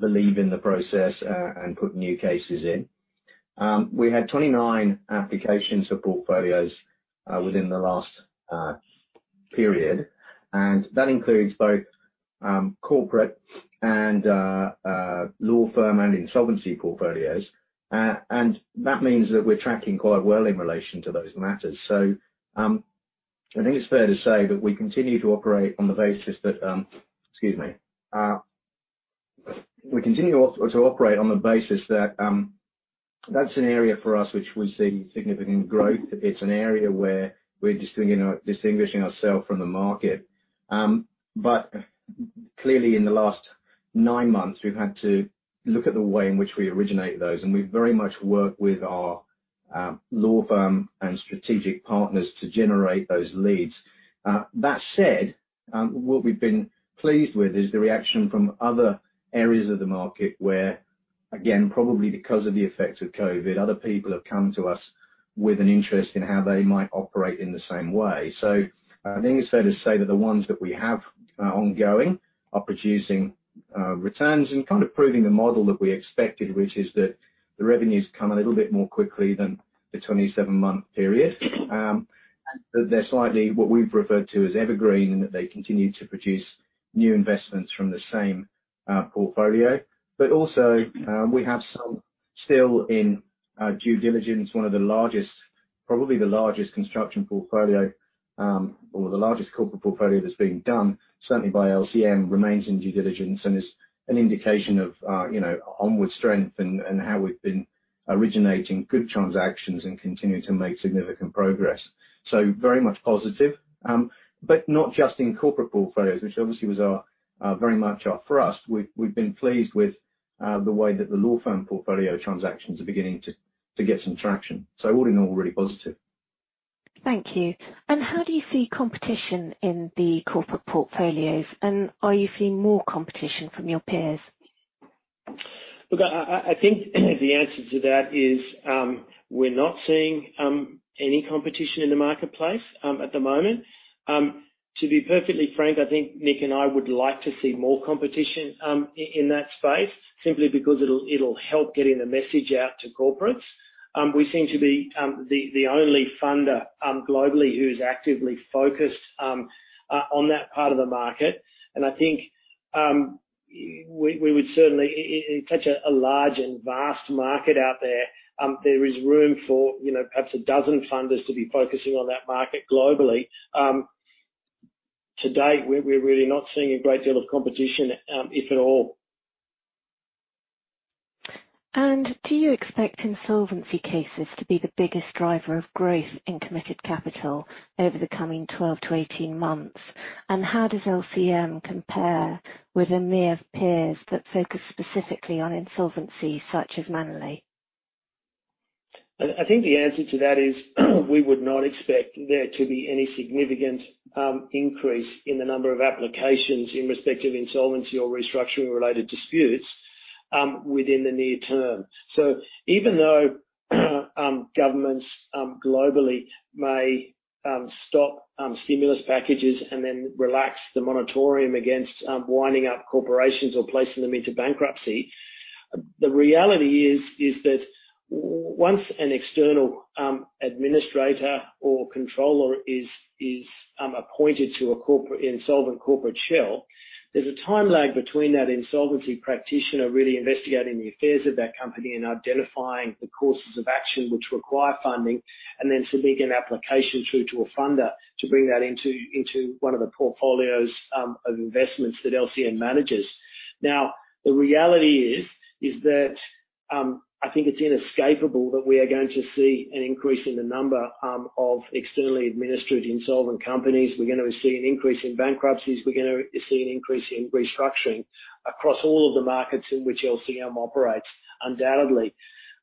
believe in the process and put new cases in. We had 29 applications for portfolios within the last period, and that includes both corporate and law firm and insolvency portfolios. That means that we're tracking quite well in relation to those matters. I think it's fair to say that we continue to operate on the basis that Excuse me. We continue to operate on the basis that that's an area for us which we see significant growth. It's an area where we're distinguishing ourself from the market. Clearly in the last nine months, we've had to look at the way in which we originate those, and we very much work with our law firm and strategic partners to generate those leads. That said, what we've been pleased with is the reaction from other areas of the market where, again, probably because of the effects of COVID, other people have come to us with an interest in how they might operate in the same way. I think it's fair to say that the ones that we have ongoing are producing returns and kind of proving the model that we expected, which is that the revenues come a little bit more quickly than the 27-month period. They're slightly, what we've referred to as evergreen, in that they continue to produce new investments from the same portfolio. Also, we have some still in due diligence. One of the largest, probably the largest construction portfolio, or the largest corporate portfolio that's been done certainly by LCM, remains in due diligence and is an indication of onward strength and how we've been originating good transactions and continuing to make significant progress. Very much positive. Not just in corporate portfolios, which obviously was very much our thrust. We've been pleased with the way that the law firm portfolio transactions are beginning to get some traction. All in all, really positive. Thank you. How do you see competition in the corporate portfolios? Are you seeing more competition from your peers? Look, I think the answer to that is, we're not seeing any competition in the marketplace at the moment. To be perfectly frank, I think Nick and I would like to see more competition in that space simply because it'll help getting the message out to corporates. We seem to be the only funder globally who's actively focused on that part of the market, and I think it's such a large and vast market out there. There is room for perhaps a dozen funders to be focusing on that market globally. To date, we're really not seeing a great deal of competition, if at all. Do you expect insolvency cases to be the biggest driver of growth in committed capital over the coming 12-18 months? How does LCM compare with our peers that focus specifically on insolvency, such as Manolete? I think the answer to that is we would not expect there to be any significant increase in the number of applications in respect of insolvency or restructuring-related disputes within the near term. Even though governments globally may stop stimulus packages and then relax the moratorium against winding up corporations or placing them into bankruptcy, the reality is that once an external administrator or controller is appointed to an insolvent corporate shell, there's a time lag between that insolvency practitioner really investigating the affairs of that company and identifying the courses of action which require funding, and then submitting an application through to a funder to bring that into one of the portfolios of investments that LCM manages. The reality is that, I think it's inescapable that we are going to see an increase in the number of externally administered insolvent companies. We're going to see an increase in bankruptcies. We're going to see an increase in restructuring across all of the markets in which LCM operates, undoubtedly.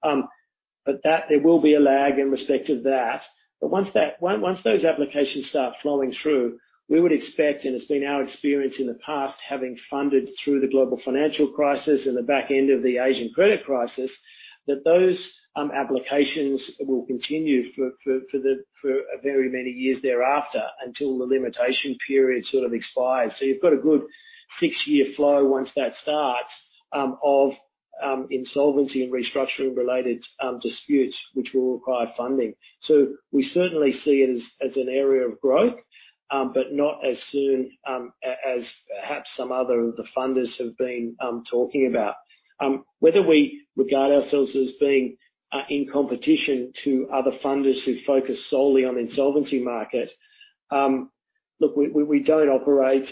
There will be a lag in respect of that. Once those applications start flowing through, we would expect, and it's been our experience in the past, having funded through the global financial crisis and the back end of the Asian credit crisis. That those applications will continue for very many years thereafter until the limitation period sort of expires. You've got a good six-year flow once that starts of insolvency and restructuring-related disputes, which will require funding. We certainly see it as an area of growth, but not as soon as perhaps some other of the funders have been talking about. Whether we regard ourselves as being in competition to other funders who focus solely on insolvency market. Look, we don't operate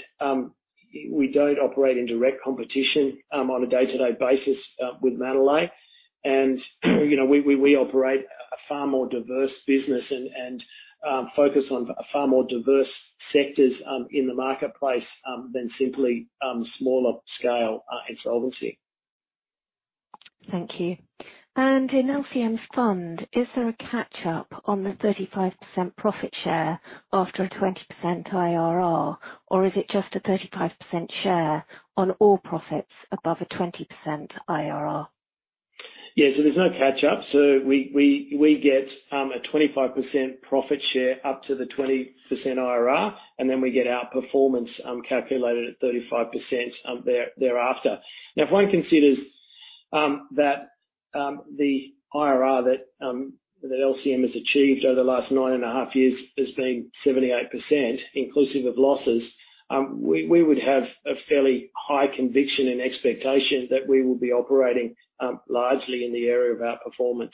in direct competition on a day-to-day basis with Manolete. We operate a far more diverse business and focus on far more diverse sectors in the marketplace than simply smaller scale insolvency. Thank you. In LCM's fund, is there a catch-up on the 35% profit share after a 20% IRR or is it just a 35% share on all profits above a 20% IRR? There's no catch up. We get a 25% profit share up to the 20% IRR, and then we get our performance calculated at 35% thereafter. If one considers that the IRR that LCM has achieved over the last nine and a half years has been 78%, inclusive of losses, we would have a fairly high conviction and expectation that we will be operating largely in the area of outperformance.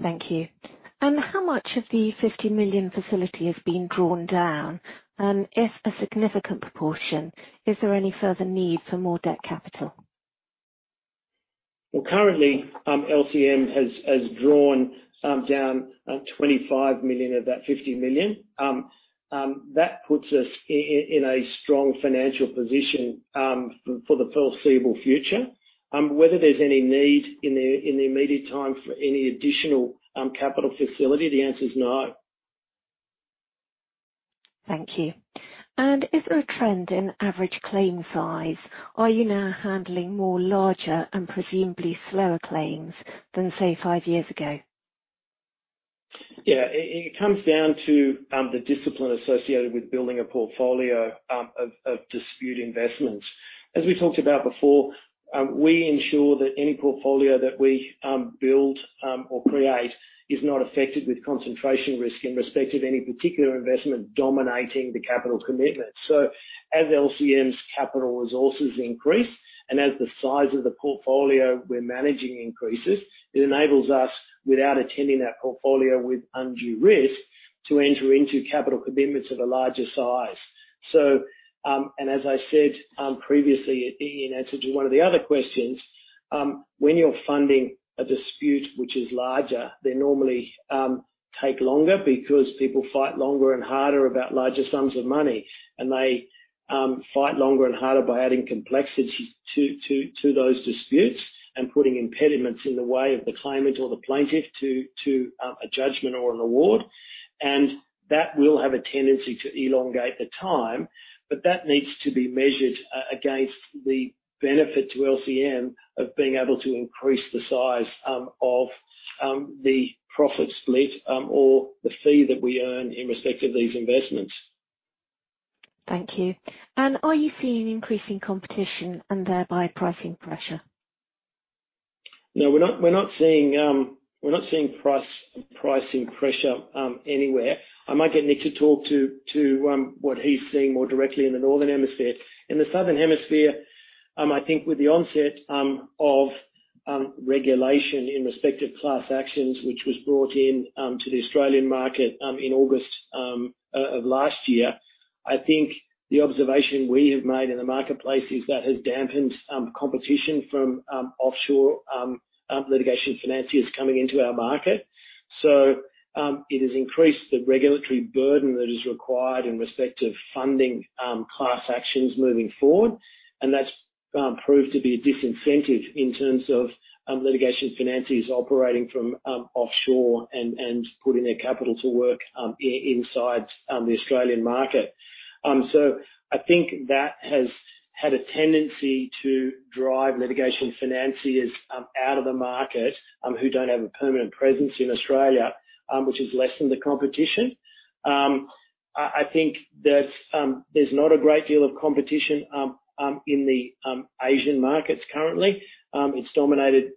Thank you. How much of the $50 million facility has been drawn down? If a significant proportion, is there any further need for more debt capital? Well, currently, LCM has drawn down $25 million of that $50 million. That puts us in a strong financial position for the foreseeable future. Whether there's any need in the immediate time for any additional capital facility, the answer is no. Thank you. Is there a trend in average claim size? Are you now handling more larger and presumably slower claims than, say, five years ago? Yeah. It comes down to the discipline associated with building a portfolio of dispute investments. As we talked about before, we ensure that any portfolio that we build or create is not affected with concentration risk in respect of any particular investment dominating the capital commitment. As LCM's capital resources increase and as the size of the portfolio we're managing increases, it enables us, without attending that portfolio with undue risk, to enter into capital commitments of a larger size. As I said previously in answer to one of the other questions, when you're funding a dispute which is larger, they normally take longer because people fight longer and harder about larger sums of money, and they fight longer and harder by adding complexity to those disputes and putting impediments in the way of the claimant or the plaintiff to a judgment or an award. That will have a tendency to elongate the time. That needs to be measured against the benefit to LCM of being able to increase the size of the profit split or the fee that we earn in respect of these investments. Thank you. Are you seeing increasing competition and thereby pricing pressure? No, we're not seeing pricing pressure anywhere. I might get Nick to talk to what he's seeing more directly in the northern hemisphere. In the southern hemisphere, I think with the onset of regulation in respect of class actions, which was brought in to the Australian market in August of last year, I think the observation we have made in the marketplace is that has dampened competition from offshore litigation financiers coming into our market. It has increased the regulatory burden that is required in respect of funding class actions moving forward, and that's proved to be a disincentive in terms of litigation financiers operating from offshore and putting their capital to work inside the Australian market. I think that has had a tendency to drive litigation financiers out of the market who don't have a permanent presence in Australia, which has lessened the competition. I think that there's not a great deal of competition in the Asian markets currently. It's dominated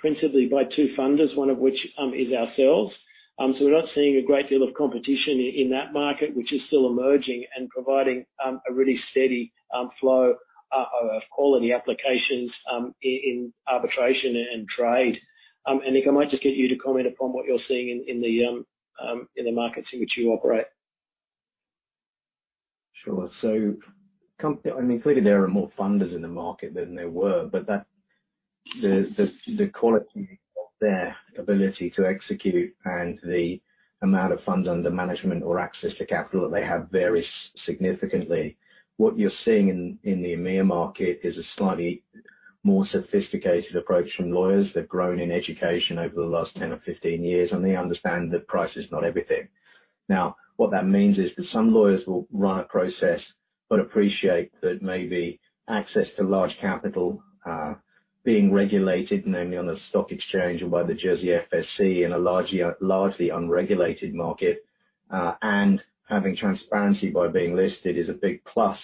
principally by two funders, one of which is ourselves. We're not seeing a great deal of competition in that market, which is still emerging and providing a really steady flow of quality applications in arbitration and trade. Nick, I might just get you to comment upon what you're seeing in the markets in which you operate. Clearly, there are more funders in the market than there were, but the quality of their ability to execute and the amount of funds under management or access to capital that they have varies significantly. What you're seeing in the EMEA market is a slightly more sophisticated approach from lawyers. They've grown in education over the last 10 or 15 years, and they understand that price is not everything. Now, what that means is that some lawyers will run a process but appreciate that maybe access to large capital, being regulated, namely on the stock exchange and by the Jersey FSC in a largely unregulated market, and having transparency by being listed is a big plus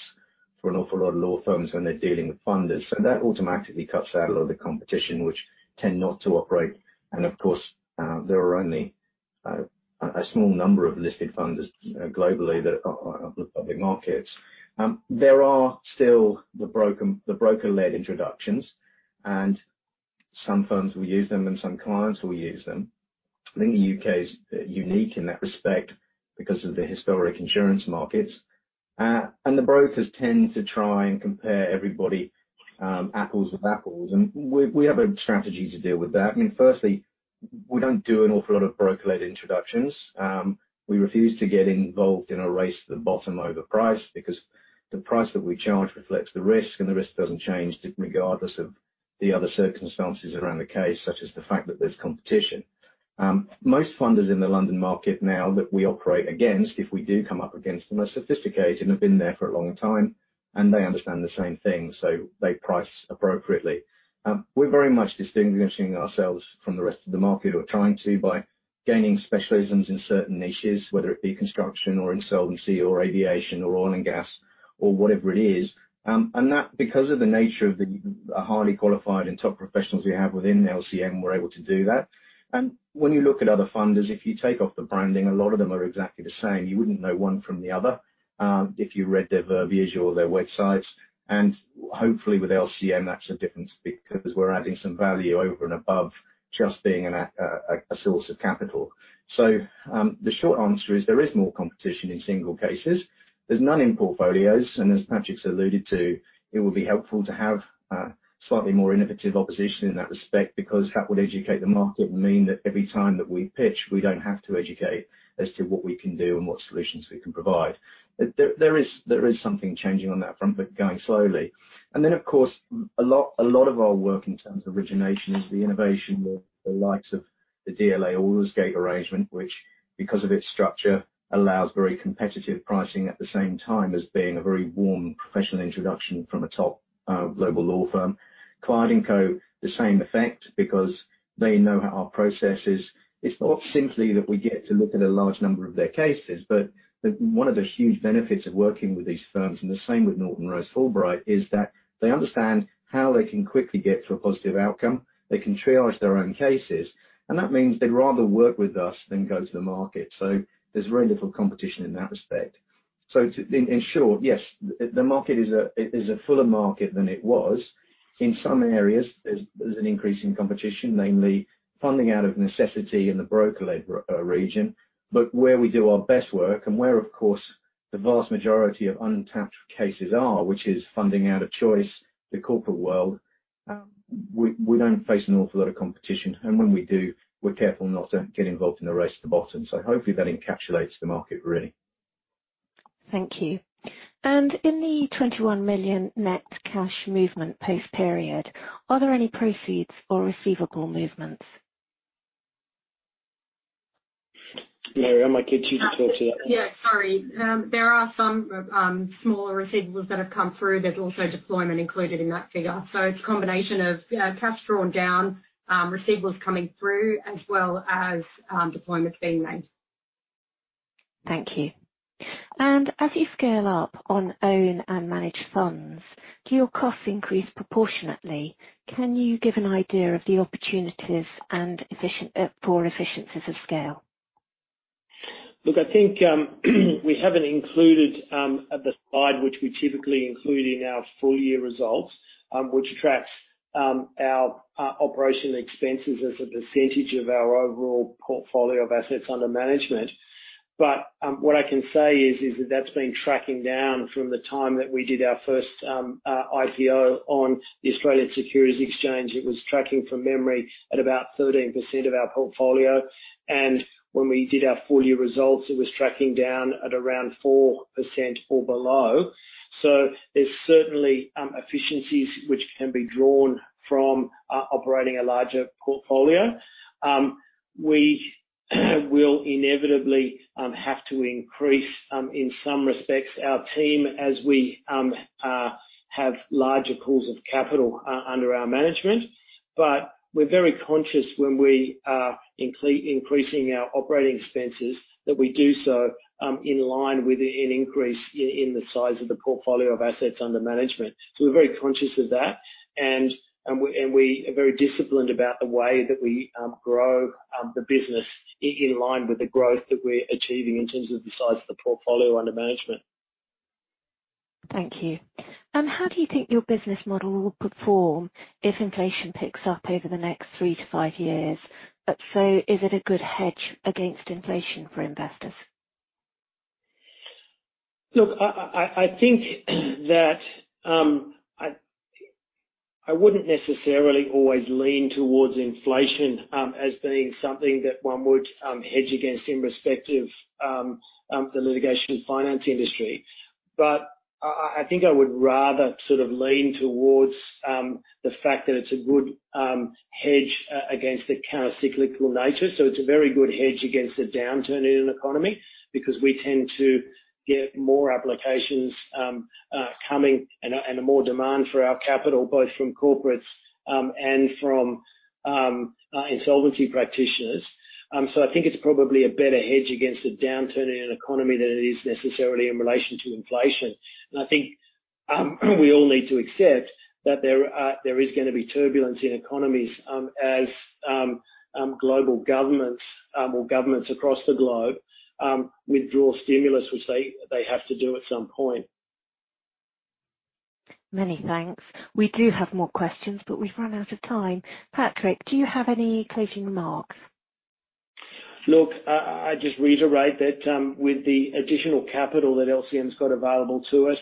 for an awful lot of law firms when they're dealing with funders. That automatically cuts out a lot of the competition which tend not to operate. Of course, there are only a small number of listed funders globally that are on the public markets. There are still the broker-led introductions, and some firms will use them, and some clients will use them. I think the U.K. is unique in that respect because of the historic insurance markets. The brokers tend to try and compare everybody, apples with apples. We have a strategy to deal with that. I mean, firstly, we don't do an awful lot of broker-led introductions. We refuse to get involved in a race to the bottom over price because the price that we charge reflects the risk, and the risk doesn't change regardless of the other circumstances around the case, such as the fact that there's competition. Most funders in the London market now that we operate against, if we do come up against them, are sophisticated and have been there for a long time, and they understand the same things, so they price appropriately. We're very much distinguishing ourselves from the rest of the market or trying to, by gaining specialisms in certain niches, whether it be construction or insolvency or aviation or oil and gas or whatever it is. That because of the nature of the highly qualified and top professionals we have within LCM, we're able to do that. When you look at other funders, if you take off the branding, a lot of them are exactly the same. You wouldn't know one from the other, if you read their verbiage or their websites. Hopefully with LCM, that's a difference because we're adding some value over and above just being a source of capital. The short answer is there is more competition in single cases. There's none in portfolios, and as Patrick's alluded to, it would be helpful to have slightly more innovative opposition in that respect because that would educate the market and mean that every time that we pitch, we don't have to educate as to what we can do and what solutions we can provide. There is something changing on that front but going slowly. Of course, a lot of our work in terms of origination is the innovation with the likes of the DLA Aldersgate arrangement, which because of its structure allows very competitive pricing at the same time as being a very warm professional introduction from a top global law firm. Clyde & Co, the same effect because they know our processes. It's not simply that we get to look at a large number of their cases, but one of the huge benefits of working with these firms, and the same with Norton Rose Fulbright, is that they understand how they can quickly get to a positive outcome. They can triage their own cases, and that means they'd rather work with us than go to the market. There's very little competition in that respect. In short, yes, the market is a fuller market than it was. In some areas, there's an increase in competition, namely funding out of necessity in the broker-led region. Where we do our best work and where, of course, the vast majority of untapped cases are, which is funding out of choice, the corporate world, we don't face an awful lot of competition. When we do, we're careful not to get involved in a race to the bottom. Hopefully, that encapsulates the market really. Thank you. In the $21 million net cash movement post period, are there any proceeds or receivable movements? Mary, I might get you to talk to that one. Yeah, sorry. There are some smaller receivables that have come through. There's also deployment included in that figure. It's a combination of cash drawn down, receivables coming through, as well as deployments being made. Thank you. As you scale up on own and managed funds, do your costs increase proportionately? Can you give an idea of the opportunities for efficiencies of scale? Look, I think we haven't included the slide which we typically include in our full-year results, which tracks our operational expenses as a percentage of our overall portfolio of assets under management. What I can say is that that's been tracking down from the time that we did our first IPO on the Australian Securities Exchange. It was tracking from memory at about 13% of our portfolio. When we did our full-year results, it was tracking down at around 4% or below. There's certainly efficiencies which can be drawn from operating a larger portfolio. We will inevitably have to increase, in some respects, our team as we have larger pools of capital under our management. We're very conscious when we are increasing our operating expenses that we do so in line with an increase in the size of the portfolio of assets under management. We're very conscious of that, and we are very disciplined about the way that we grow the business in line with the growth that we're achieving in terms of the size of the portfolio under management. Thank you. How do you think your business model will perform if inflation picks up over the next three to five years? If so, is it a good hedge against inflation for investors? Look, I think that I wouldn't necessarily always lean towards inflation as being something that one would hedge against in respect of the litigation finance industry. I think I would rather sort of lean towards the fact that it's a good hedge against the countercyclical nature. It's a very good hedge against a downturn in an economy because we tend to get more applications coming and a more demand for our capital, both from corporates and from insolvency practitioners. I think it's probably a better hedge against a downturn in an economy than it is necessarily in relation to inflation. I think we all need to accept that there is gonna be turbulence in economies as global governments or governments across the globe withdraw stimulus, which they have to do at some point. Many thanks. We do have more questions, but we've run out of time. Patrick, do you have any closing remarks? I just reiterate that with the additional capital that LCM's got available to us,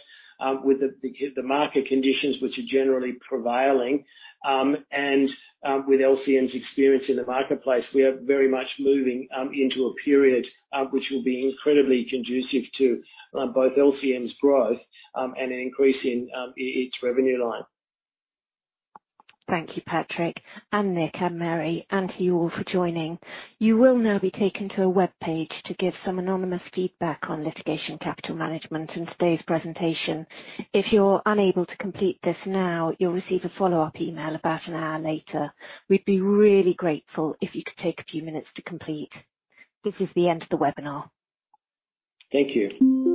with the market conditions which are generally prevailing, and with LCM's experience in the marketplace, we are very much moving into a period which will be incredibly conducive to both LCM's growth and an increase in each revenue line. Thank you, Patrick and Nick and Mary, and to you all for joining. You will now be taken to a webpage to give some anonymous feedback on Litigation Capital Management and today's presentation. If you're unable to complete this now, you'll receive a follow-up email about an hour later. We'd be really grateful if you could take a few minutes to complete. This is the end of the webinar. Thank you.